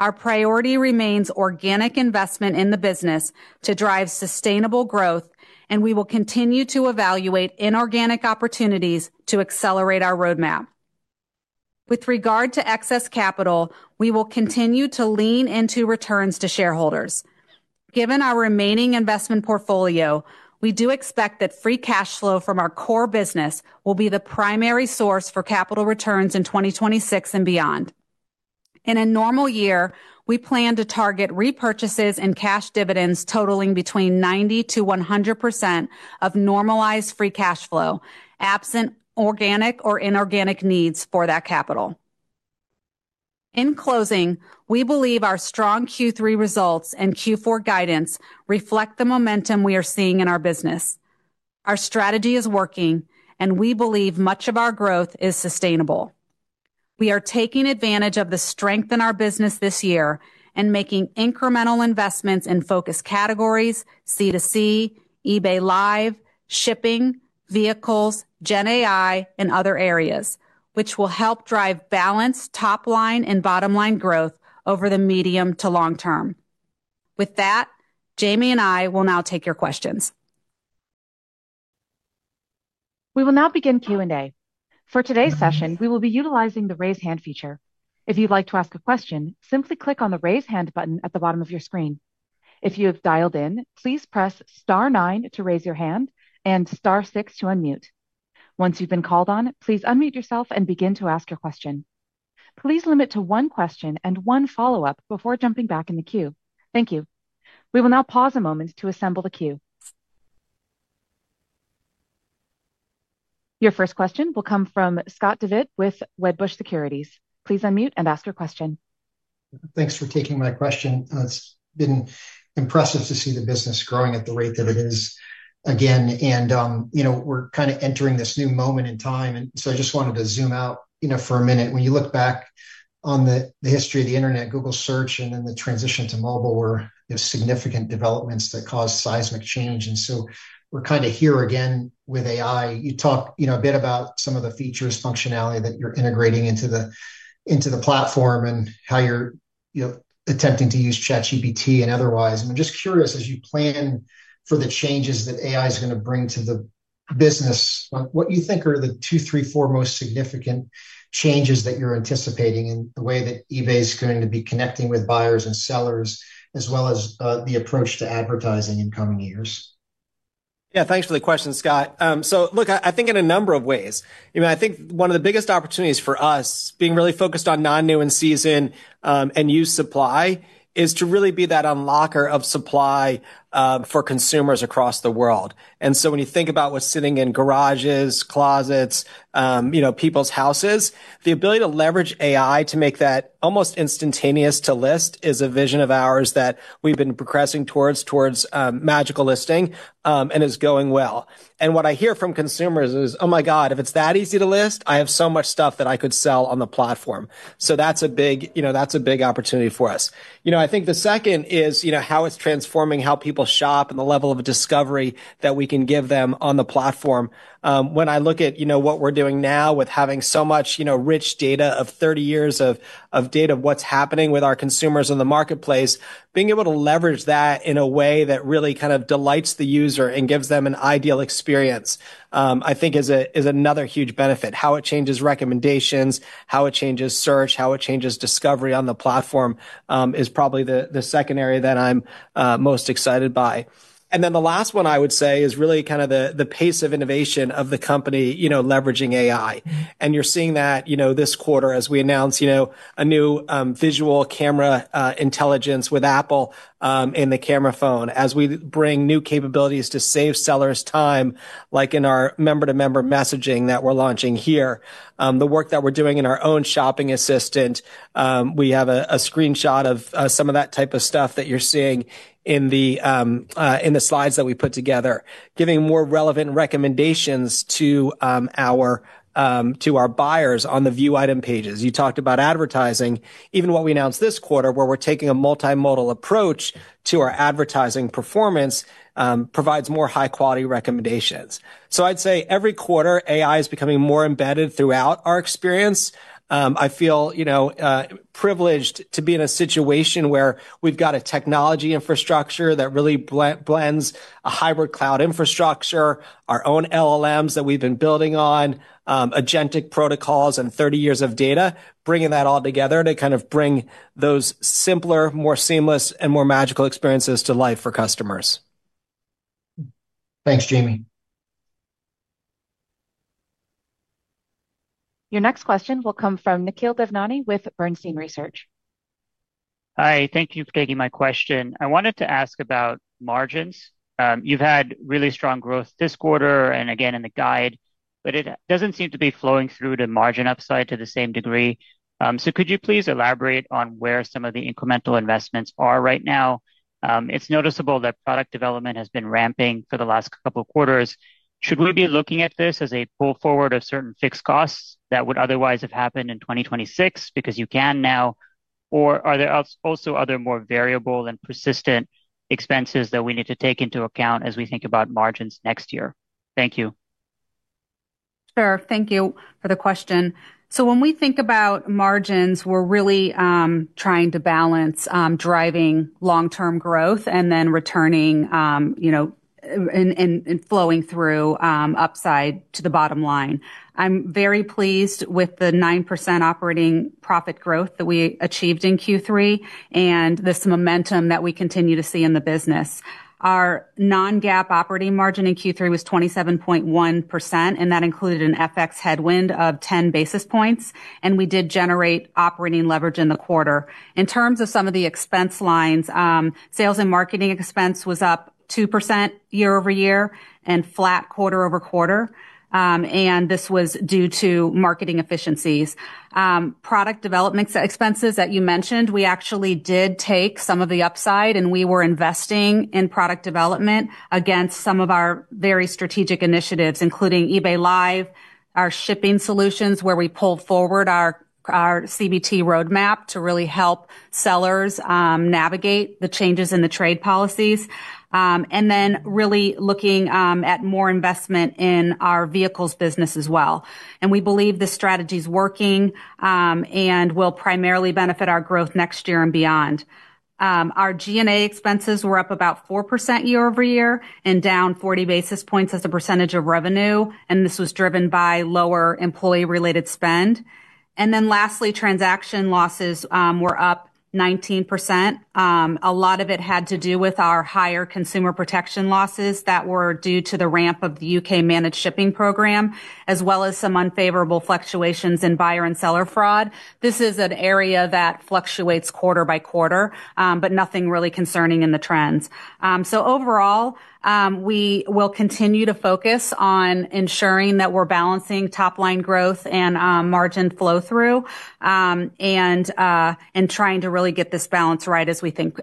Our priority remains organic investment in the business to drive sustainable growth, and we will continue to evaluate inorganic opportunities to accelerate our roadmap. With regard to excess capital, we will continue to lean into returns to shareholders. Given our remaining investment portfolio, we do expect that free cash flow from our core business will be the primary source for capital returns in 2026 and beyond. In a normal year, we plan to target repurchases and cash dividends totaling between 90%-100% of normalized free cash flow, absent organic or inorganic needs for that capital. In closing, we believe our strong Q3 results and Q4 guidance reflect the momentum we are seeing in our business. Our strategy is working, and we believe much of our growth is sustainable. We are taking advantage of the strength in our business this year and making incremental investments in focus categories, C2C, eBay Live, shipping, vehicles, Gen AI, and other areas, which will help drive balanced top-line and bottom-line growth over the medium to long term. With that, Jamie and I will now take your questions. We will now begin Q&A. For today's session, we will be utilizing the Raise Hand feature. If you'd like to ask a question, simply click on the Raise Hand button at the bottom of your screen. If you have dialed in, please press star nine to raise your hand and star six to unmute. Once you've been called on, please unmute yourself and begin to ask your question. Please limit to one question and one follow-up before jumping back in the queue. Thank you. We will now pause a moment to assemble the queue. Your first question will come from Scott Devitt with Wedbush Securities. Please unmute and ask your question. Thanks for taking my question. It's been impressive to see the business growing at the rate that it is again. We're kind of entering this new moment in time. I just wanted to zoom out for a minute. When you look back on the history of the internet, Google Search, and then the transition to mobile were significant developments that caused seismic change. We're kind of here again with AI. You talked a bit about some of the features and functionality that you're integrating into the platform and how you're attempting to use ChatGPT and otherwise. I'm just curious, as you plan for the changes that AI is going to bring to the business, what you think are the two, three, four most significant changes that you're anticipating in the way that eBay is going to be connecting with buyers and sellers, as well as the approach to advertising in coming years? Yeah, thanks for the question, Scott. I think in a number of ways, one of the biggest opportunities for us, being really focused on non-nuance season and used supply, is to really be that unlocker of supply for consumers across the world. When you think about what's sitting in garages, closets, people's houses, the ability to leverage AI to make that almost instantaneous to list is a vision of ours that we've been progressing towards with Magical Listing and is going well. What I hear from consumers is, oh my god, if it's that easy to list, I have so much stuff that I could sell on the platform. That's a big opportunity for us. I think the second is how it's transforming how people shop and the level of discovery that we can give them on the platform. When I look at what we're doing now with having so much rich data, 30 years of data of what's happening with our consumers in the marketplace, being able to leverage that in a way that really kind of delights the user and gives them an ideal experience, I think is another huge benefit. How it changes recommendations, how it changes search, how it changes discovery on the platform is probably the second area that I'm most excited by. The last one I would say is really kind of the pace of innovation of the company leveraging AI. You're seeing that this quarter as we announce a new visual camera intelligence with Apple in the camera phone, as we bring new capabilities to save sellers' time, like in our member-to-member messaging that we're launching here, the work that we're doing in our own shopping assistant. We have a screenshot of some of that type of stuff that you're seeing in the slides that we put together, giving more relevant recommendations to our buyers on the view item pages. You talked about advertising. Even what we announced this quarter, where we're taking a multimodal approach to our advertising performance, provides more high-quality recommendations. I'd say every quarter, AI is becoming more embedded throughout our experience. I feel privileged to be in a situation where we've got a technology infrastructure that really blends a hybrid cloud infrastructure, our own LLMs that we've been building on, agentic protocols, and 30 years of data, bringing that all together to bring those simpler, more seamless, and more magical experiences to life for customers. Thanks, Jamie. Your next question will come from Nikhil Devnani with Bernstein Research. Hi. Thank you for taking my question. I wanted to ask about margins. You've had really strong growth this quarter and again in the guide, but it doesn't seem to be flowing through to margin upside to the same degree. Could you please elaborate on where some of the incremental investments are right now? It's noticeable that product development has been ramping for the last couple of quarters. Should we be looking at this as a pull forward of certain fixed costs that would otherwise have happened in 2026 because you can now? Are there also other more variable and persistent expenses that we need to take into account as we think about margins next year? Thank you. Sure. Thank you for the question. When we think about margins, we're really trying to balance driving long-term growth and then returning and flowing through upside to the bottom line. I'm very pleased with the 9% operating profit growth that we achieved in Q3 and this momentum that we continue to see in the business. Our non-GAAP operating margin in Q3 was 27.1%, and that included an FX headwind of 10 basis points. We did generate operating leverage in the quarter. In terms of some of the expense lines, sales and marketing expense was up 2% year-over-year and flat quarter-over-quarter. This was due to marketing efficiencies. Product development expenses that you mentioned, we actually did take some of the upside, and we were investing in product development against some of our very strategic initiatives, including eBay Live, our shipping solutions, where we pulled forward our CBT roadmap to really help sellers navigate the changes in the trade policies, and really looking at more investment in our vehicles business as well. We believe this strategy is working and will primarily benefit our growth next year and beyond. Our G&A expenses were up about 4% year-over-year and down 40 basis points as a percentage of revenue, and this was driven by lower employee-related spend. Lastly, transaction losses were up 19%. A lot of it had to do with our higher consumer protection losses that were due to the ramp of the U.K. managed shipping program, as well as some unfavorable fluctuations in buyer and seller fraud. This is an area that fluctuates quarter by quarter, but nothing really concerning in the trends. Overall, we will continue to focus on ensuring that we're balancing top-line growth and margin flow-through and trying to really get this balance right as we think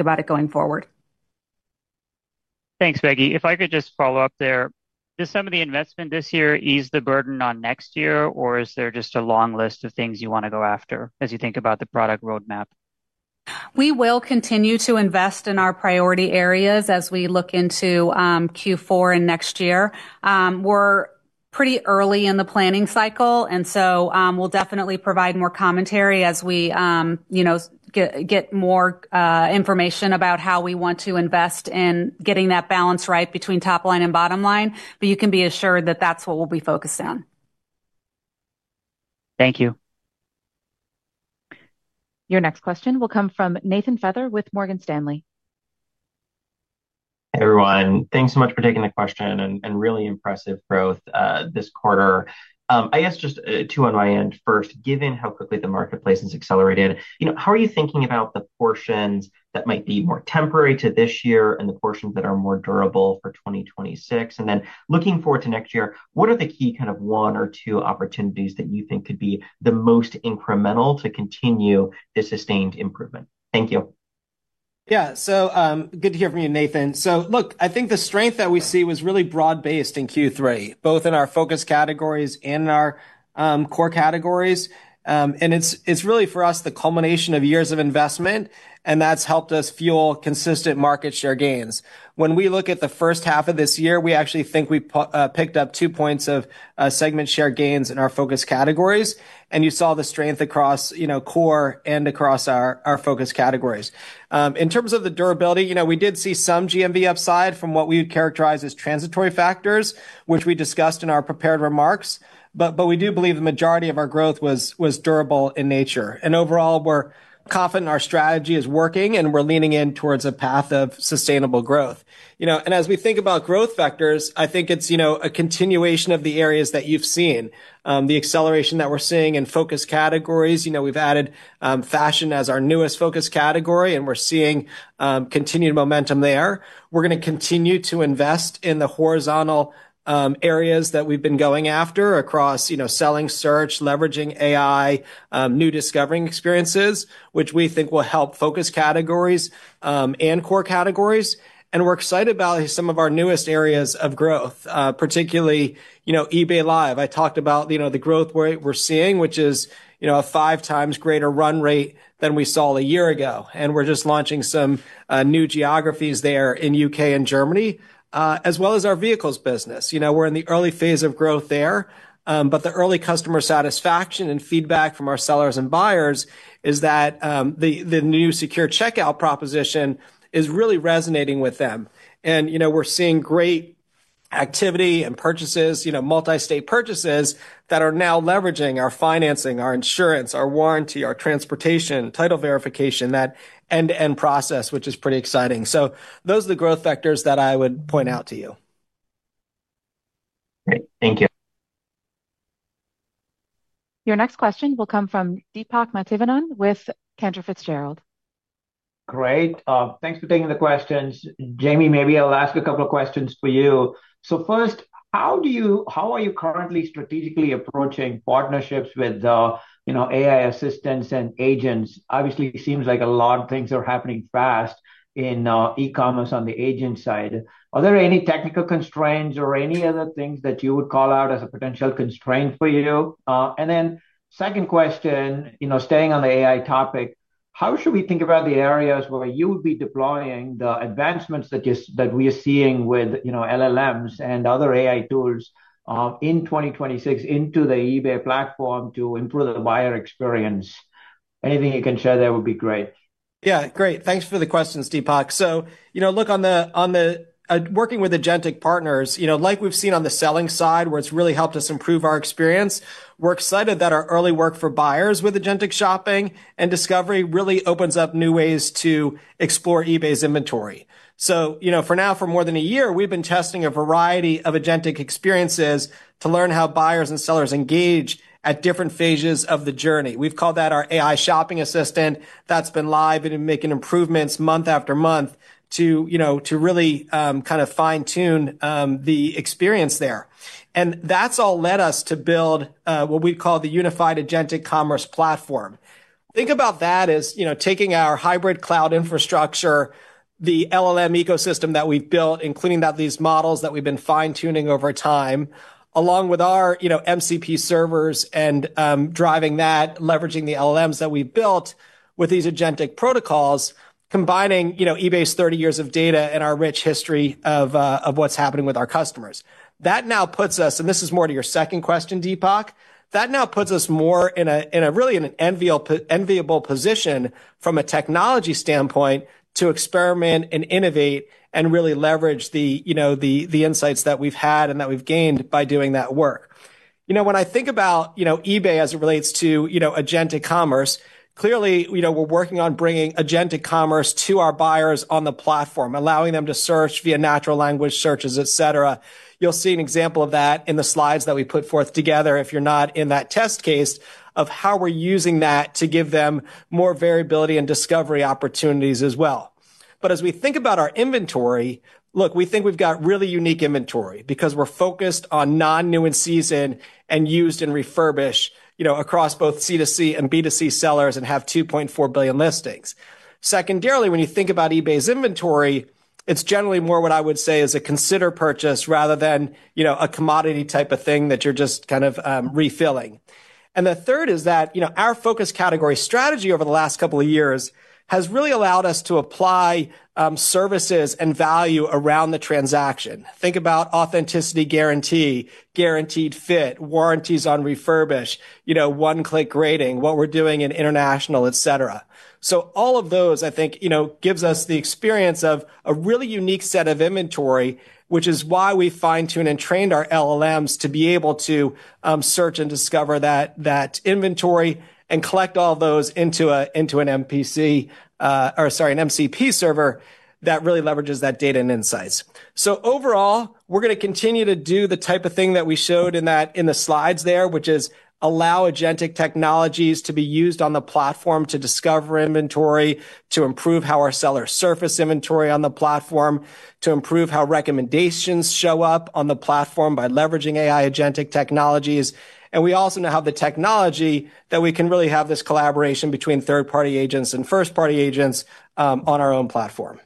about it going forward. Thanks, Peggy. If I could just follow up there, does some of the investment this year ease the burden on next year, or is there just a long list of things you want to go after as you think about the product roadmap? We will continue to invest in our priority areas as we look into Q4 and next year. We're pretty early in the planning cycle, and we'll definitely provide more commentary as we get more information about how we want to invest in getting that balance right between top-line and bottom line. You can be assured that that's what we'll be focused on. Thank you. Your next question will come from Nathan Feather with Morgan Stanley. Hey, everyone. Thanks so much for taking the question and really impressive growth this quarter. I guess just two on my end. First, given how quickly the marketplace has accelerated, how are you thinking about the portions that might be more temporary to this year and the portions that are more durable for 2026? Looking forward to next year, what are the key kind of one or two opportunities that you think could be the most incremental to continue this sustained improvement? Thank you. Yeah, so good to hear from you, Nathan. I think the strength that we see was really broad-based in Q3, both in our focus categories and in our core categories. It's really, for us, the culmination of years of investment, and that's helped us fuel consistent market share gains. When we look at the first half of this year, we actually think we picked up 2 points of segment share gains in our focus categories. You saw the strength across core and across our focus categories. In terms of the durability, we did see some GMV upside from what we would characterize as transitory factors, which we discussed in our prepared remarks. We do believe the majority of our growth was durable in nature. Overall, we're confident our strategy is working, and we're leaning in towards a path of sustainable growth. As we think about growth vectors, I think it's a continuation of the areas that you've seen, the acceleration that we're seeing in focus categories. We've added fashion as our newest focus category, and we're seeing continued momentum there. We're going to continue to invest in the horizontal areas that we've been going after across selling, search, leveraging AI, new discovery experiences, which we think will help focus categories and core categories. We're excited about some of our newest areas of growth, particularly eBay Live. I talked about the growth we're seeing, which is a 5x greater run rate than we saw a year ago. We're just launching some new geographies there in the U.K. and Germany, as well as our vehicles business. We're in the early phase of growth there. The early customer satisfaction and feedback from our sellers and buyers is that the new secure checkout proposition is really resonating with them. We're seeing great activity and purchases, multi-state purchases that are now leveraging our financing, our insurance, our warranty, our transportation, title verification, that end-to-end process, which is pretty exciting. Those are the growth vectors that I would point out to you. Great. Thank you. Your next question will come from Deepak Mathivanan with Cantor Fitzgerald. Great. Thanks for taking the questions. Jamie, maybe I'll ask a couple of questions for you. First, how are you currently strategically approaching partnerships with AI assistants and agents? Obviously, it seems like a lot of things are happening fast in e-commerce on the agent side. Are there any technical constraints or any other things that you would call out as a potential constraint for you? Second question, staying on the AI topic, how should we think about the areas where you would be deploying the advancements that we are seeing with LLMs and other AI tools in 2026 into the eBay platform to improve the buyer experience? Anything you can share there would be great. Yeah, great. Thanks for the questions, Deepak. On the working with agentic partners, like we've seen on the selling side, where it's really helped us improve our experience, we're excited that our early work for buyers with agentic shopping and discovery really opens up new ways to explore eBay's inventory. For more than a year, we've been testing a variety of agentic experiences to learn how buyers and sellers engage at different phases of the journey. We've called that our AI assistant for messaging that's been live and making improvements month after month to really kind of fine-tune the experience there. That's all led us to build what we call the unified agentic commerce platform. Think about that as taking our hybrid cloud infrastructure, the LLM ecosystem that we've built, including these models that we've been fine-tuning over time, along with our MCP servers and driving that, leveraging the LLMs that we've built with these agentic protocols, combining eBay's 30 years of data and our rich history of what's happening with our customers. That now puts us, and this is more to your second question, Deepak, that now puts us more in a really enviable position from a technology standpoint to experiment and innovate and really leverage the insights that we've had and that we've gained by doing that work. When I think about eBay as it relates to agentic commerce, clearly we're working on bringing agentic commerce to our buyers on the platform, allowing them to search via natural language searches, etc. You'll see an example of that in the slides that we put forth together if you're not in that test case of how we're using that to give them more variability and discovery opportunities as well. As we think about our inventory, we think we've got really unique inventory because we're focused on non-nuance season and used and refurbished across both C2C and B2C sellers and have 2.4 billion listings. Secondarily, when you think about eBay's inventory, it's generally more what I would say is a consider purchase rather than a commodity type of thing that you're just kind of refilling. The third is that our focus category strategy over the last couple of years has really allowed us to apply services and value around the transaction. Think about authenticity guarantee, guaranteed fit, warranties on refurbish, one-click rating, what we're doing in international, etc. All of those, I think, give us the experience of a really unique set of inventory, which is why we fine-tuned and trained our LLMs to be able to search and discover that inventory and collect all those into an MCP server that really leverages that data and insights. Overall, we're going to continue to do the type of thing that we showed in the slides there, which is allow agentic technologies to be used on the platform to discover inventory, to improve how our sellers surface inventory on the platform, to improve how recommendations show up on the platform by leveraging AI agentic technologies. We also now have the technology that we can really have this collaboration between third-party agents and first-party agents on our own platform.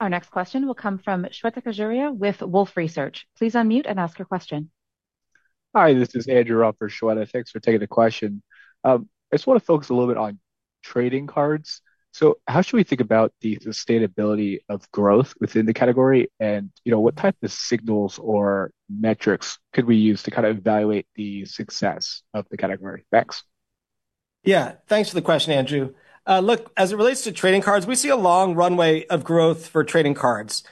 Our next question will come from Shweta Khajuria with Wolfe Research. Please unmute and ask your question. Hi, this is Andrew up for Shweta, thanks for taking the question. I just want to focus a little bit on trading cards. How should we think about the sustainability of growth within the category? What type of signals or metrics could we use to kind of evaluate the success of the category? Thanks. Yeah, thanks for the question, Andrew. Look, as it relates to trading cards, we see a long runway of growth for trading cards.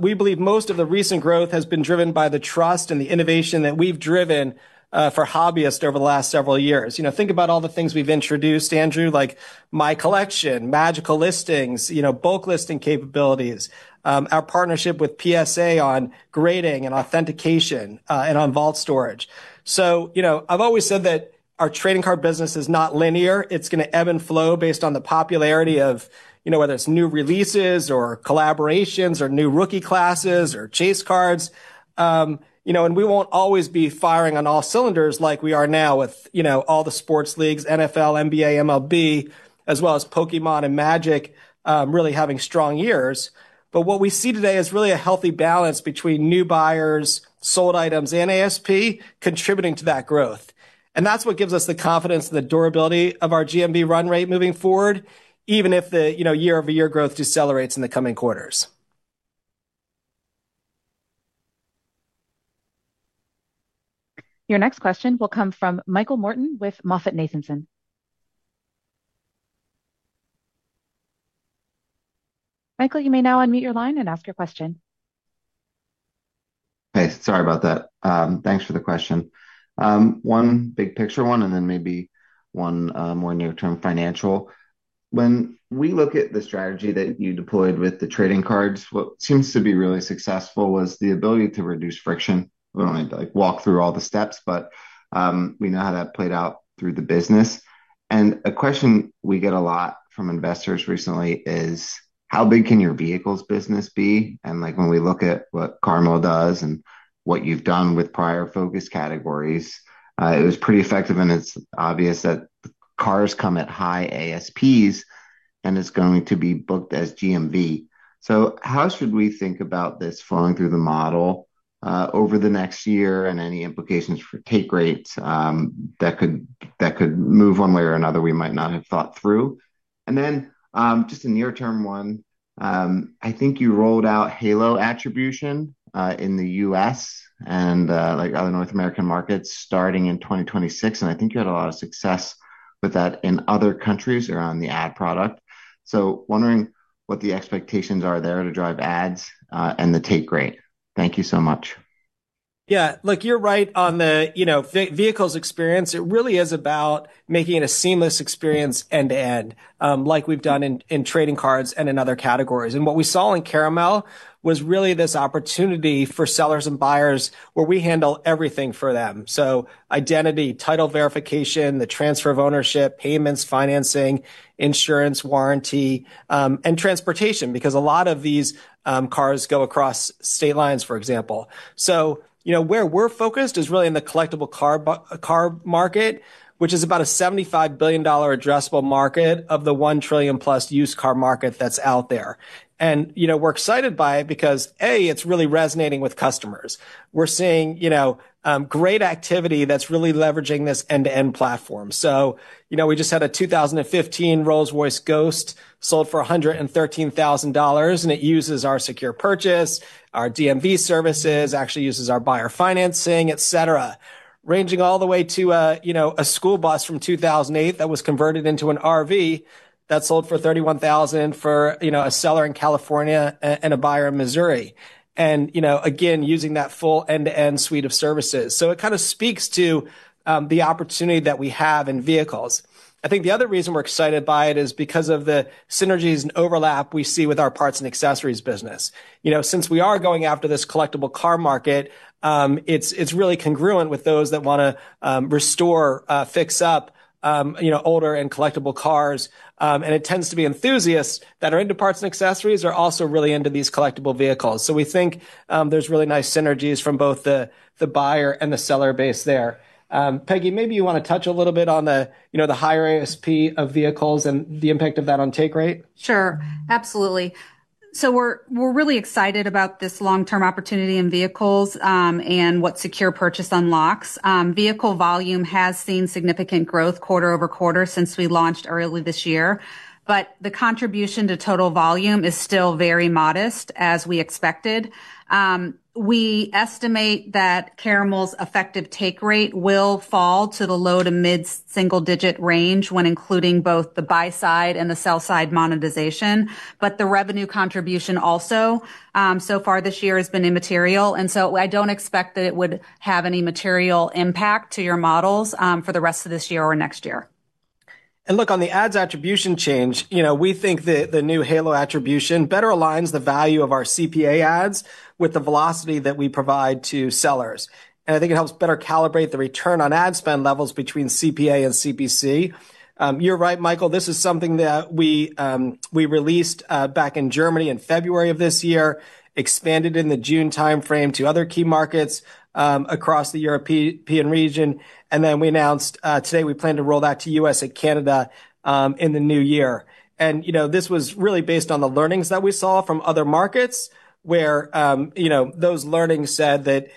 We believe most of the recent growth has been driven by the trust and the innovation that we've driven for hobbyists over the last several years. Think about all the things we've introduced, Andrew, like My Collection, Magical Listing, bulk listing capabilities, our partnership with PSA on grading and authentication, and on vault storage. I've always said that our trading card business is not linear. It's going to ebb and flow based on the popularity of whether it's new releases or collaborations or new rookie classes or chase cards. We won't always be firing on all cylinders like we are now with all the sports leagues, NFL, NBA, MLB, as well as Pokémon and Magic really having strong years. What we see today is really a healthy balance between new buyers, sold items, and ASP contributing to that growth. That's what gives us the confidence in the durability of our GMV run rate moving forward, even if the year-over-year growth decelerates in the coming quarters. Your next question will come from Michael Morton with MoffettNathanson. Michael, you may now unmute your line and ask your question. Hey, sorry about that. Thanks for the question. One big picture one, and then maybe one more near-term financial. When we look at the strategy that you deployed with the trading cards, what seems to be really successful was the ability to reduce friction. We don't need to walk through all the steps, but we know how that played out through the business. A question we get a lot from investors recently is, how big can your vehicles business be? When we look at what Caramel does and what you've done with prior focus categories, it was pretty effective. It's obvious that cars come at high ASPs, and it's going to be booked as GMV. How should we think about this flowing through the model over the next year and any implications for take rates that could move one way or another we might not have thought through? Just a near-term one, I think you rolled out Halo attribution in the U.S. and other North American markets starting in 2026. I think you had a lot of success with that in other countries around the ad product. Wondering what the expectations are there to drive ads and the take rate. Thank you so much. Yeah, look, you're right on the vehicles experience. It really is about making it a seamless experience end-to-end, like we've done in trading cards and in other categories. What we saw in Caramel was really this opportunity for sellers and buyers where we handle everything for them. Identity, title verification, the transfer of ownership, payments, financing, insurance, warranty, and transportation, because a lot of these cars go across state lines, for example. Where we're focused is really in the collectible car market, which is about a $75 billion addressable market of the $1 trillion+ used car market that's out there. We're excited by it because, A, it's really resonating with customers. We're seeing great activity that's really leveraging this end-to-end platform. We just had a 2015 Rolls-Royce Ghost sold for $113,000, and it uses our secure purchase, our DMV services, actually uses our buyer financing, etc., ranging all the way to a school bus from 2008 that was converted into an RV that sold for $31,000 for a seller in California and a buyer in Missouri. Again, using that full end-to-end suite of services. It kind of speaks to the opportunity that we have in vehicles. I think the other reason we're excited by it is because of the synergies and overlap we see with our parts and accessories business. Since we are going after this collectible car market, it's really congruent with those that want to restore, fix up older and collectible cars. It tends to be enthusiasts that are into parts and accessories are also really into these collectible vehicles. We think there's really nice synergies from both the buyer and the seller base there. Peggy, maybe you want to touch a little bit on the higher ASP of vehicles and the impact of that on take rate. Sure, absolutely. We're really excited about this long-term opportunity in vehicles and what secure purchase unlocks. Vehicle volume has seen significant growth quarter-over-quarter since we launched early this year. The contribution to total volume is still very modest, as we expected. We estimate that Caramel's effective take rate will fall to the low to mid-single-digit range when including both the buy side and the sell side monetization. The revenue contribution also so far this year has been immaterial. I don't expect that it would have any material impact to your models for the rest of this year or next year. On the ads attribution change, we think that the new Halo attribution better aligns the value of our CPA ads with the velocity that we provide to sellers. I think it helps better calibrate the return on ad spend levels between CPA and CPC. You're right, Michael. This is something that we released back in Germany in February of this year, expanded in the June timeframe to other key markets across the European region. We announced today we plan to roll that to the U.S. and Canada in the new year. This was really based on the learnings that we saw from other markets, where those learnings said that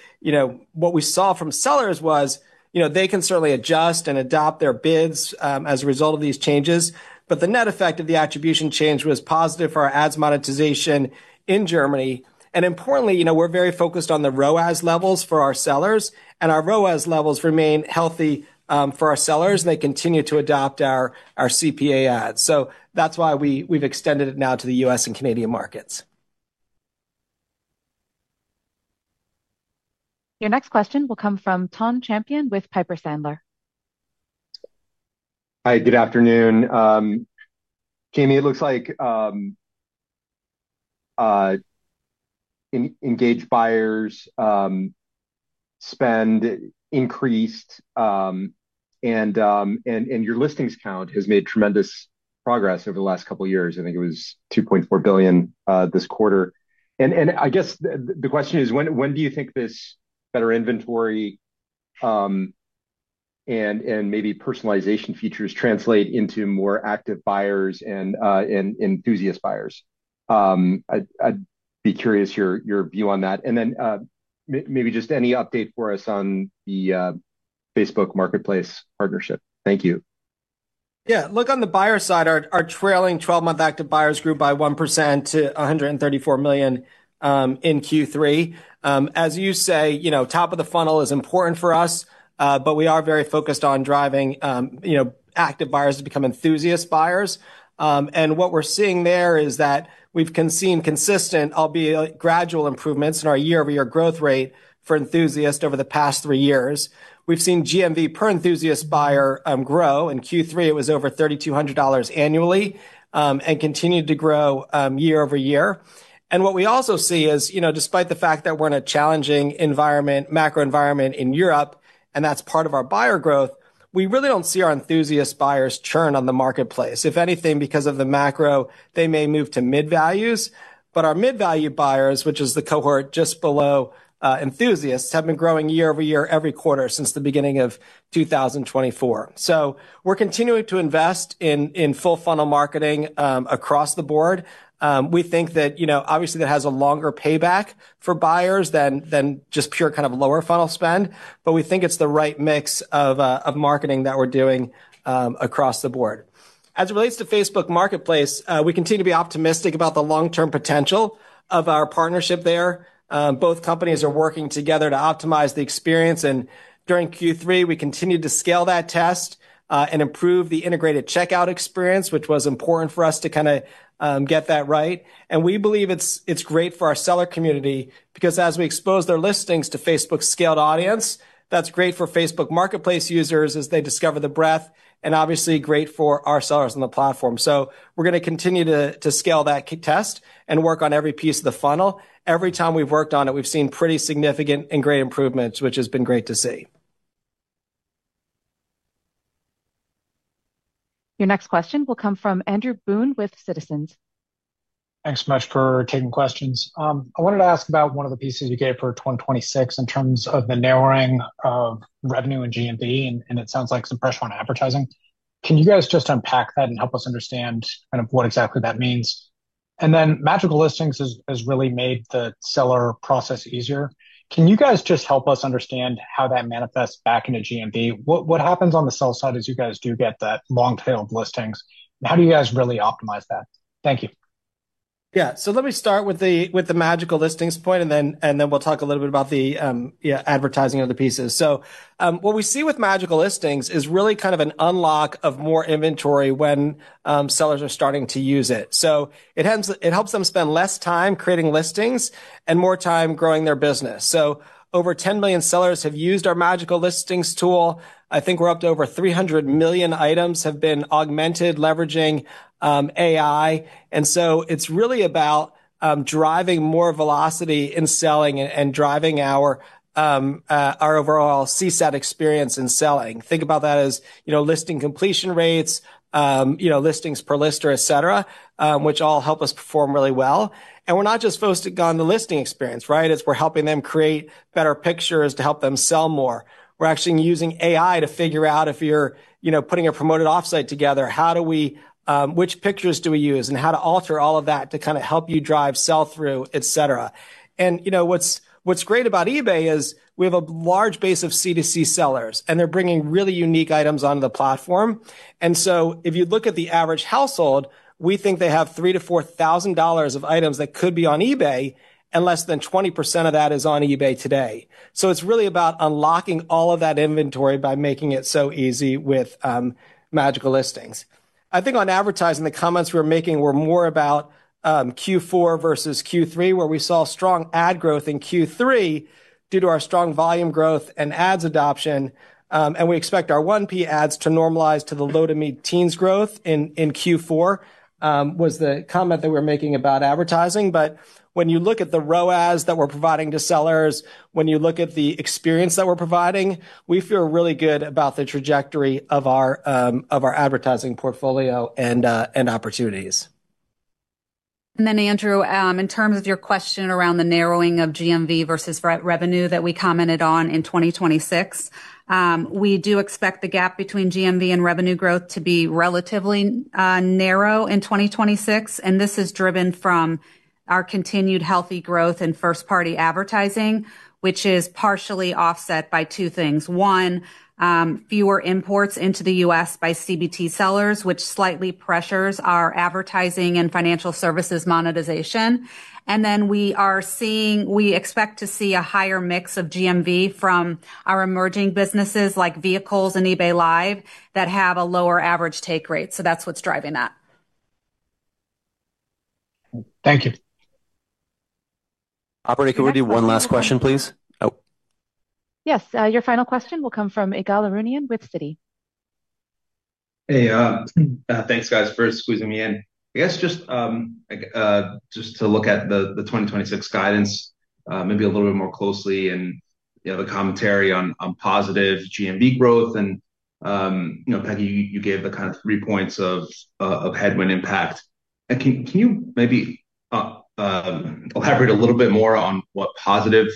what we saw from sellers was they can certainly adjust and adopt their bids as a result of these changes. The net effect of the attribution change was positive for our ads monetization in Germany. Importantly, we're very focused on the ROAS levels for our sellers. Our ROAS levels remain healthy for our sellers, and they continue to adopt our CPA ads. That's why we've extended it now to the U.S. and Canadian markets. Your next question will come from Tom Champion with Piper Sandler. Hi, good afternoon. Jamie, it looks like engaged buyers' spend increased, and your listings count has made tremendous progress over the last couple of years. I think it was 2.4 billion this quarter. I guess the question is, when do you think this better inventory and maybe personalization features translate into more active buyers and enthusiast buyers? I'd be curious your view on that. Maybe just any update for us on the Facebook Marketplace partnership. Thank you. Yeah, look, on the buyer side, our trailing 12-month active buyers grew by 1% to $134 million in Q3. As you say, top of the funnel is important for us, but we are very focused on driving active buyers to become enthusiast buyers. What we're seeing there is that we've seen consistent, albeit gradual, improvements in our year-over-year growth rate for enthusiasts over the past three years. We've seen GMV per enthusiast buyer grow in Q3. It was over $3,200 annually and continued to grow year-over-year. What we also see is, despite the fact that we're in a challenging macro environment in Europe, and that's part of our buyer growth, we really don't see our enthusiast buyers churn on the marketplace. If anything, because of the macro, they may move to mid-values. Our mid-value buyers, which is the cohort just below enthusiasts, have been growing year-over-year every quarter since the beginning of 2024. We're continuing to invest in full funnel marketing across the board. We think that, obviously, that has a longer payback for buyers than just pure kind of lower funnel spend. We think it's the right mix of marketing that we're doing across the board. As it relates to Facebook Marketplace, we continue to be optimistic about the long-term potential of our partnership there. Both companies are working together to optimize the experience. During Q3, we continued to scale that test and improve the integrated checkout experience, which was important for us to get that right. We believe it's great for our seller community because as we expose their listings to Facebook's scaled audience, that's great for Facebook Marketplace users as they discover the breadth and obviously great for our sellers on the platform. We're going to continue to scale that test and work on every piece of the funnel. Every time we've worked on it, we've seen pretty significant and great improvements, which has been great to see. Your next question will come from Andrew Boone with Citizens. Thanks so much for taking questions. I wanted to ask about one of the pieces you gave for 2026 in terms of the narrowing of revenue and GMV, and it sounds like some pressure on advertising. Can you guys just unpack that and help us understand kind of what exactly that means? Magical Listing has really made the seller process easier. Can you guys just help us understand how that manifests back into GMV? What happens on the sell side as you guys do get that long-tailed listings? How do you guys really optimize that? Thank you. Let me start with the Magical Listing point, and then we'll talk a little bit about the advertising of the pieces. What we see with Magical Listing is really kind of an unlock of more inventory when sellers are starting to use it. It helps them spend less time creating listings and more time growing their business. Over 10 million sellers have used our Magical Listing tool. I think we're up to over 300 million items that have been augmented leveraging AI. It's really about driving more velocity in selling and driving our overall CSAT experience in selling. Think about that as listing completion rates, listings per lister, etc., which all help us perform really well. We're not just focusing on the listing experience, right? We're helping them create better pictures to help them sell more. We're actually using AI to figure out if you're putting a promoted offsite together, which pictures do we use, and how to alter all of that to help you drive sell-through, etc. What's great about eBay is we have a large base of C2C sellers, and they're bringing really unique items onto the platform. If you look at the average household, we think they have $3,000-$4,000 of items that could be on eBay, and less than 20% of that is on eBay today. It's really about unlocking all of that inventory by making it so easy with Magical Listing. On advertising, the comments we were making were more about Q4 versus Q3, where we saw strong ad growth in Q3 due to our strong volume growth and ads adoption. We expect our 1P ads to normalize to the low-to-mid teens growth in Q4, which was the comment that we were making about advertising. When you look at the ROAS that we're providing to sellers, when you look at the experience that we're providing, we feel really good about the trajectory of our advertising portfolio and opportunities. Andrew, in terms of your question around the narrowing of GMV versus revenue that we commented on in 2026, we do expect the gap between GMV and revenue growth to be relatively narrow in 2026. This is driven from our continued healthy growth in first-party advertising, which is partially offset by two things. One, fewer imports into the U.S. by CBT sellers, which slightly pressures our advertising and financial services monetization. We are seeing, and we expect to see, a higher mix of GMV from our emerging businesses like vehicles and eBay Live that have a lower average take rate. That's what's driving that. Thank you. Operator, can we do one last question, please? Yes, your final question will come from Ygal Arounian with Citi. Hey, thanks guys for squeezing me in. I guess just to look at the 2026 guidance, maybe a little bit more closely, and you have a commentary on positive GMV growth. Peggy, you gave the kind of three points of headwind impact. Can you maybe elaborate a little bit more on what positive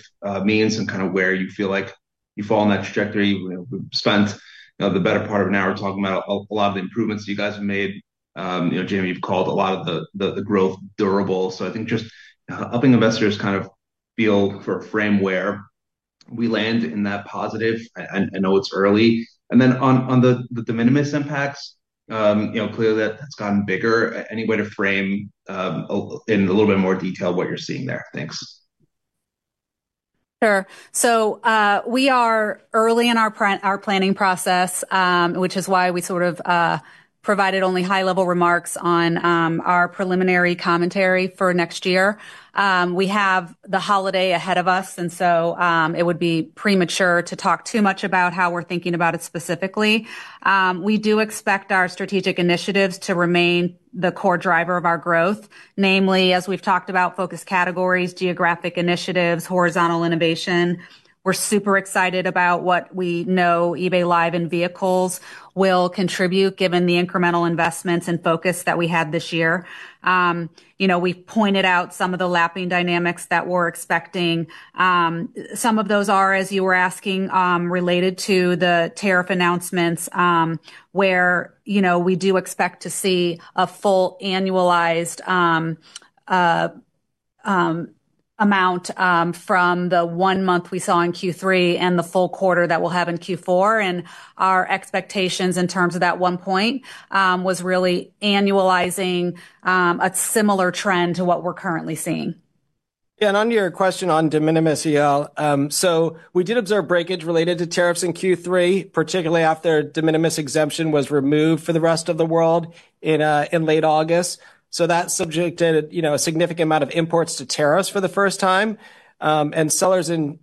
means and kind of where you feel like you fall on that trajectory? We've spent the better part of an hour talking about a lot of the improvements that you guys have made. Jamie, you've called a lot of the growth durable. I think just helping investors kind of feel for a frame where we land in that positive. I know it's early. On the de minimis impacts, clearly that's gotten bigger. Any way to frame in a little bit more detail what you're seeing there? Thanks. Sure. We are early in our planning process, which is why we sort of provided only high-level remarks on our preliminary commentary for next year. We have the holiday ahead of us, and it would be premature to talk too much about how we're thinking about it specifically. We do expect our strategic initiatives to remain the core driver of our growth, namely, as we've talked about, focus categories, geographic initiatives, horizontal innovation. We're super excited about what we know eBay Live and vehicles will contribute, given the incremental investments and focus that we had this year. We've pointed out some of the lapping dynamics that we're expecting. Some of those are, as you were asking, related to the tariff announcements, where we do expect to see a full annualized amount from the one month we saw in Q3 and the full quarter that we'll have in Q4. Our expectations in terms of that one point was really annualizing a similar trend to what we're currently seeing. Yeah, on your question on de minimis, we did observe breakage related to tariffs in Q3, particularly after the de minimis exemption was removed for the rest of the world in late August. That subjected a significant amount of imports to tariffs for the first time, and sellers in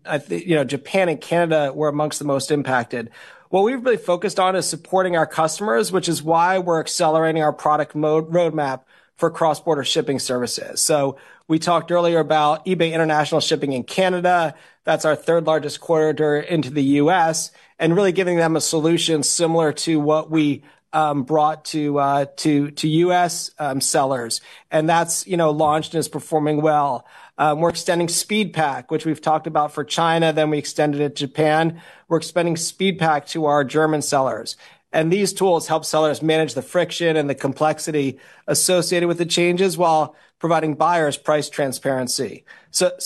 Japan and Canada were amongst the most impacted. What we've really focused on is supporting our customers, which is why we're accelerating our product roadmap for cross-border shipping services. We talked earlier about eBay International Shipping in Canada. That's our third largest corridor into the U.S., really giving them a solution similar to what we brought to U.S. sellers. That's launched and is performing well. We're extending SpeedPAK, which we've talked about for China, then we extended it to Japan. We're expanding SpeedPAK to our German sellers. These tools help sellers manage the friction and the complexity associated with the changes while providing buyers price transparency.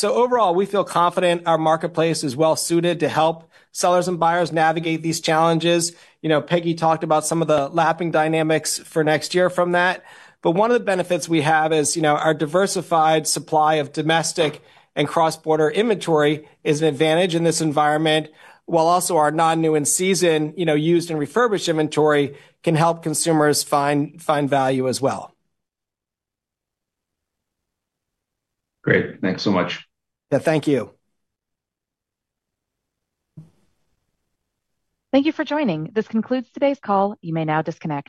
Overall, we feel confident our marketplace is well suited to help sellers and buyers navigate these challenges. Peggy talked about some of the lapping dynamics for next year from that. One of the benefits we have is our diversified supply of domestic and cross-border inventory, which is an advantage in this environment, while also our non-new-in-season, used, and refurbished inventory can help consumers find value as well. Great. Thanks so much. Yeah, thank you. Thank you for joining. This concludes today's call. You may now disconnect.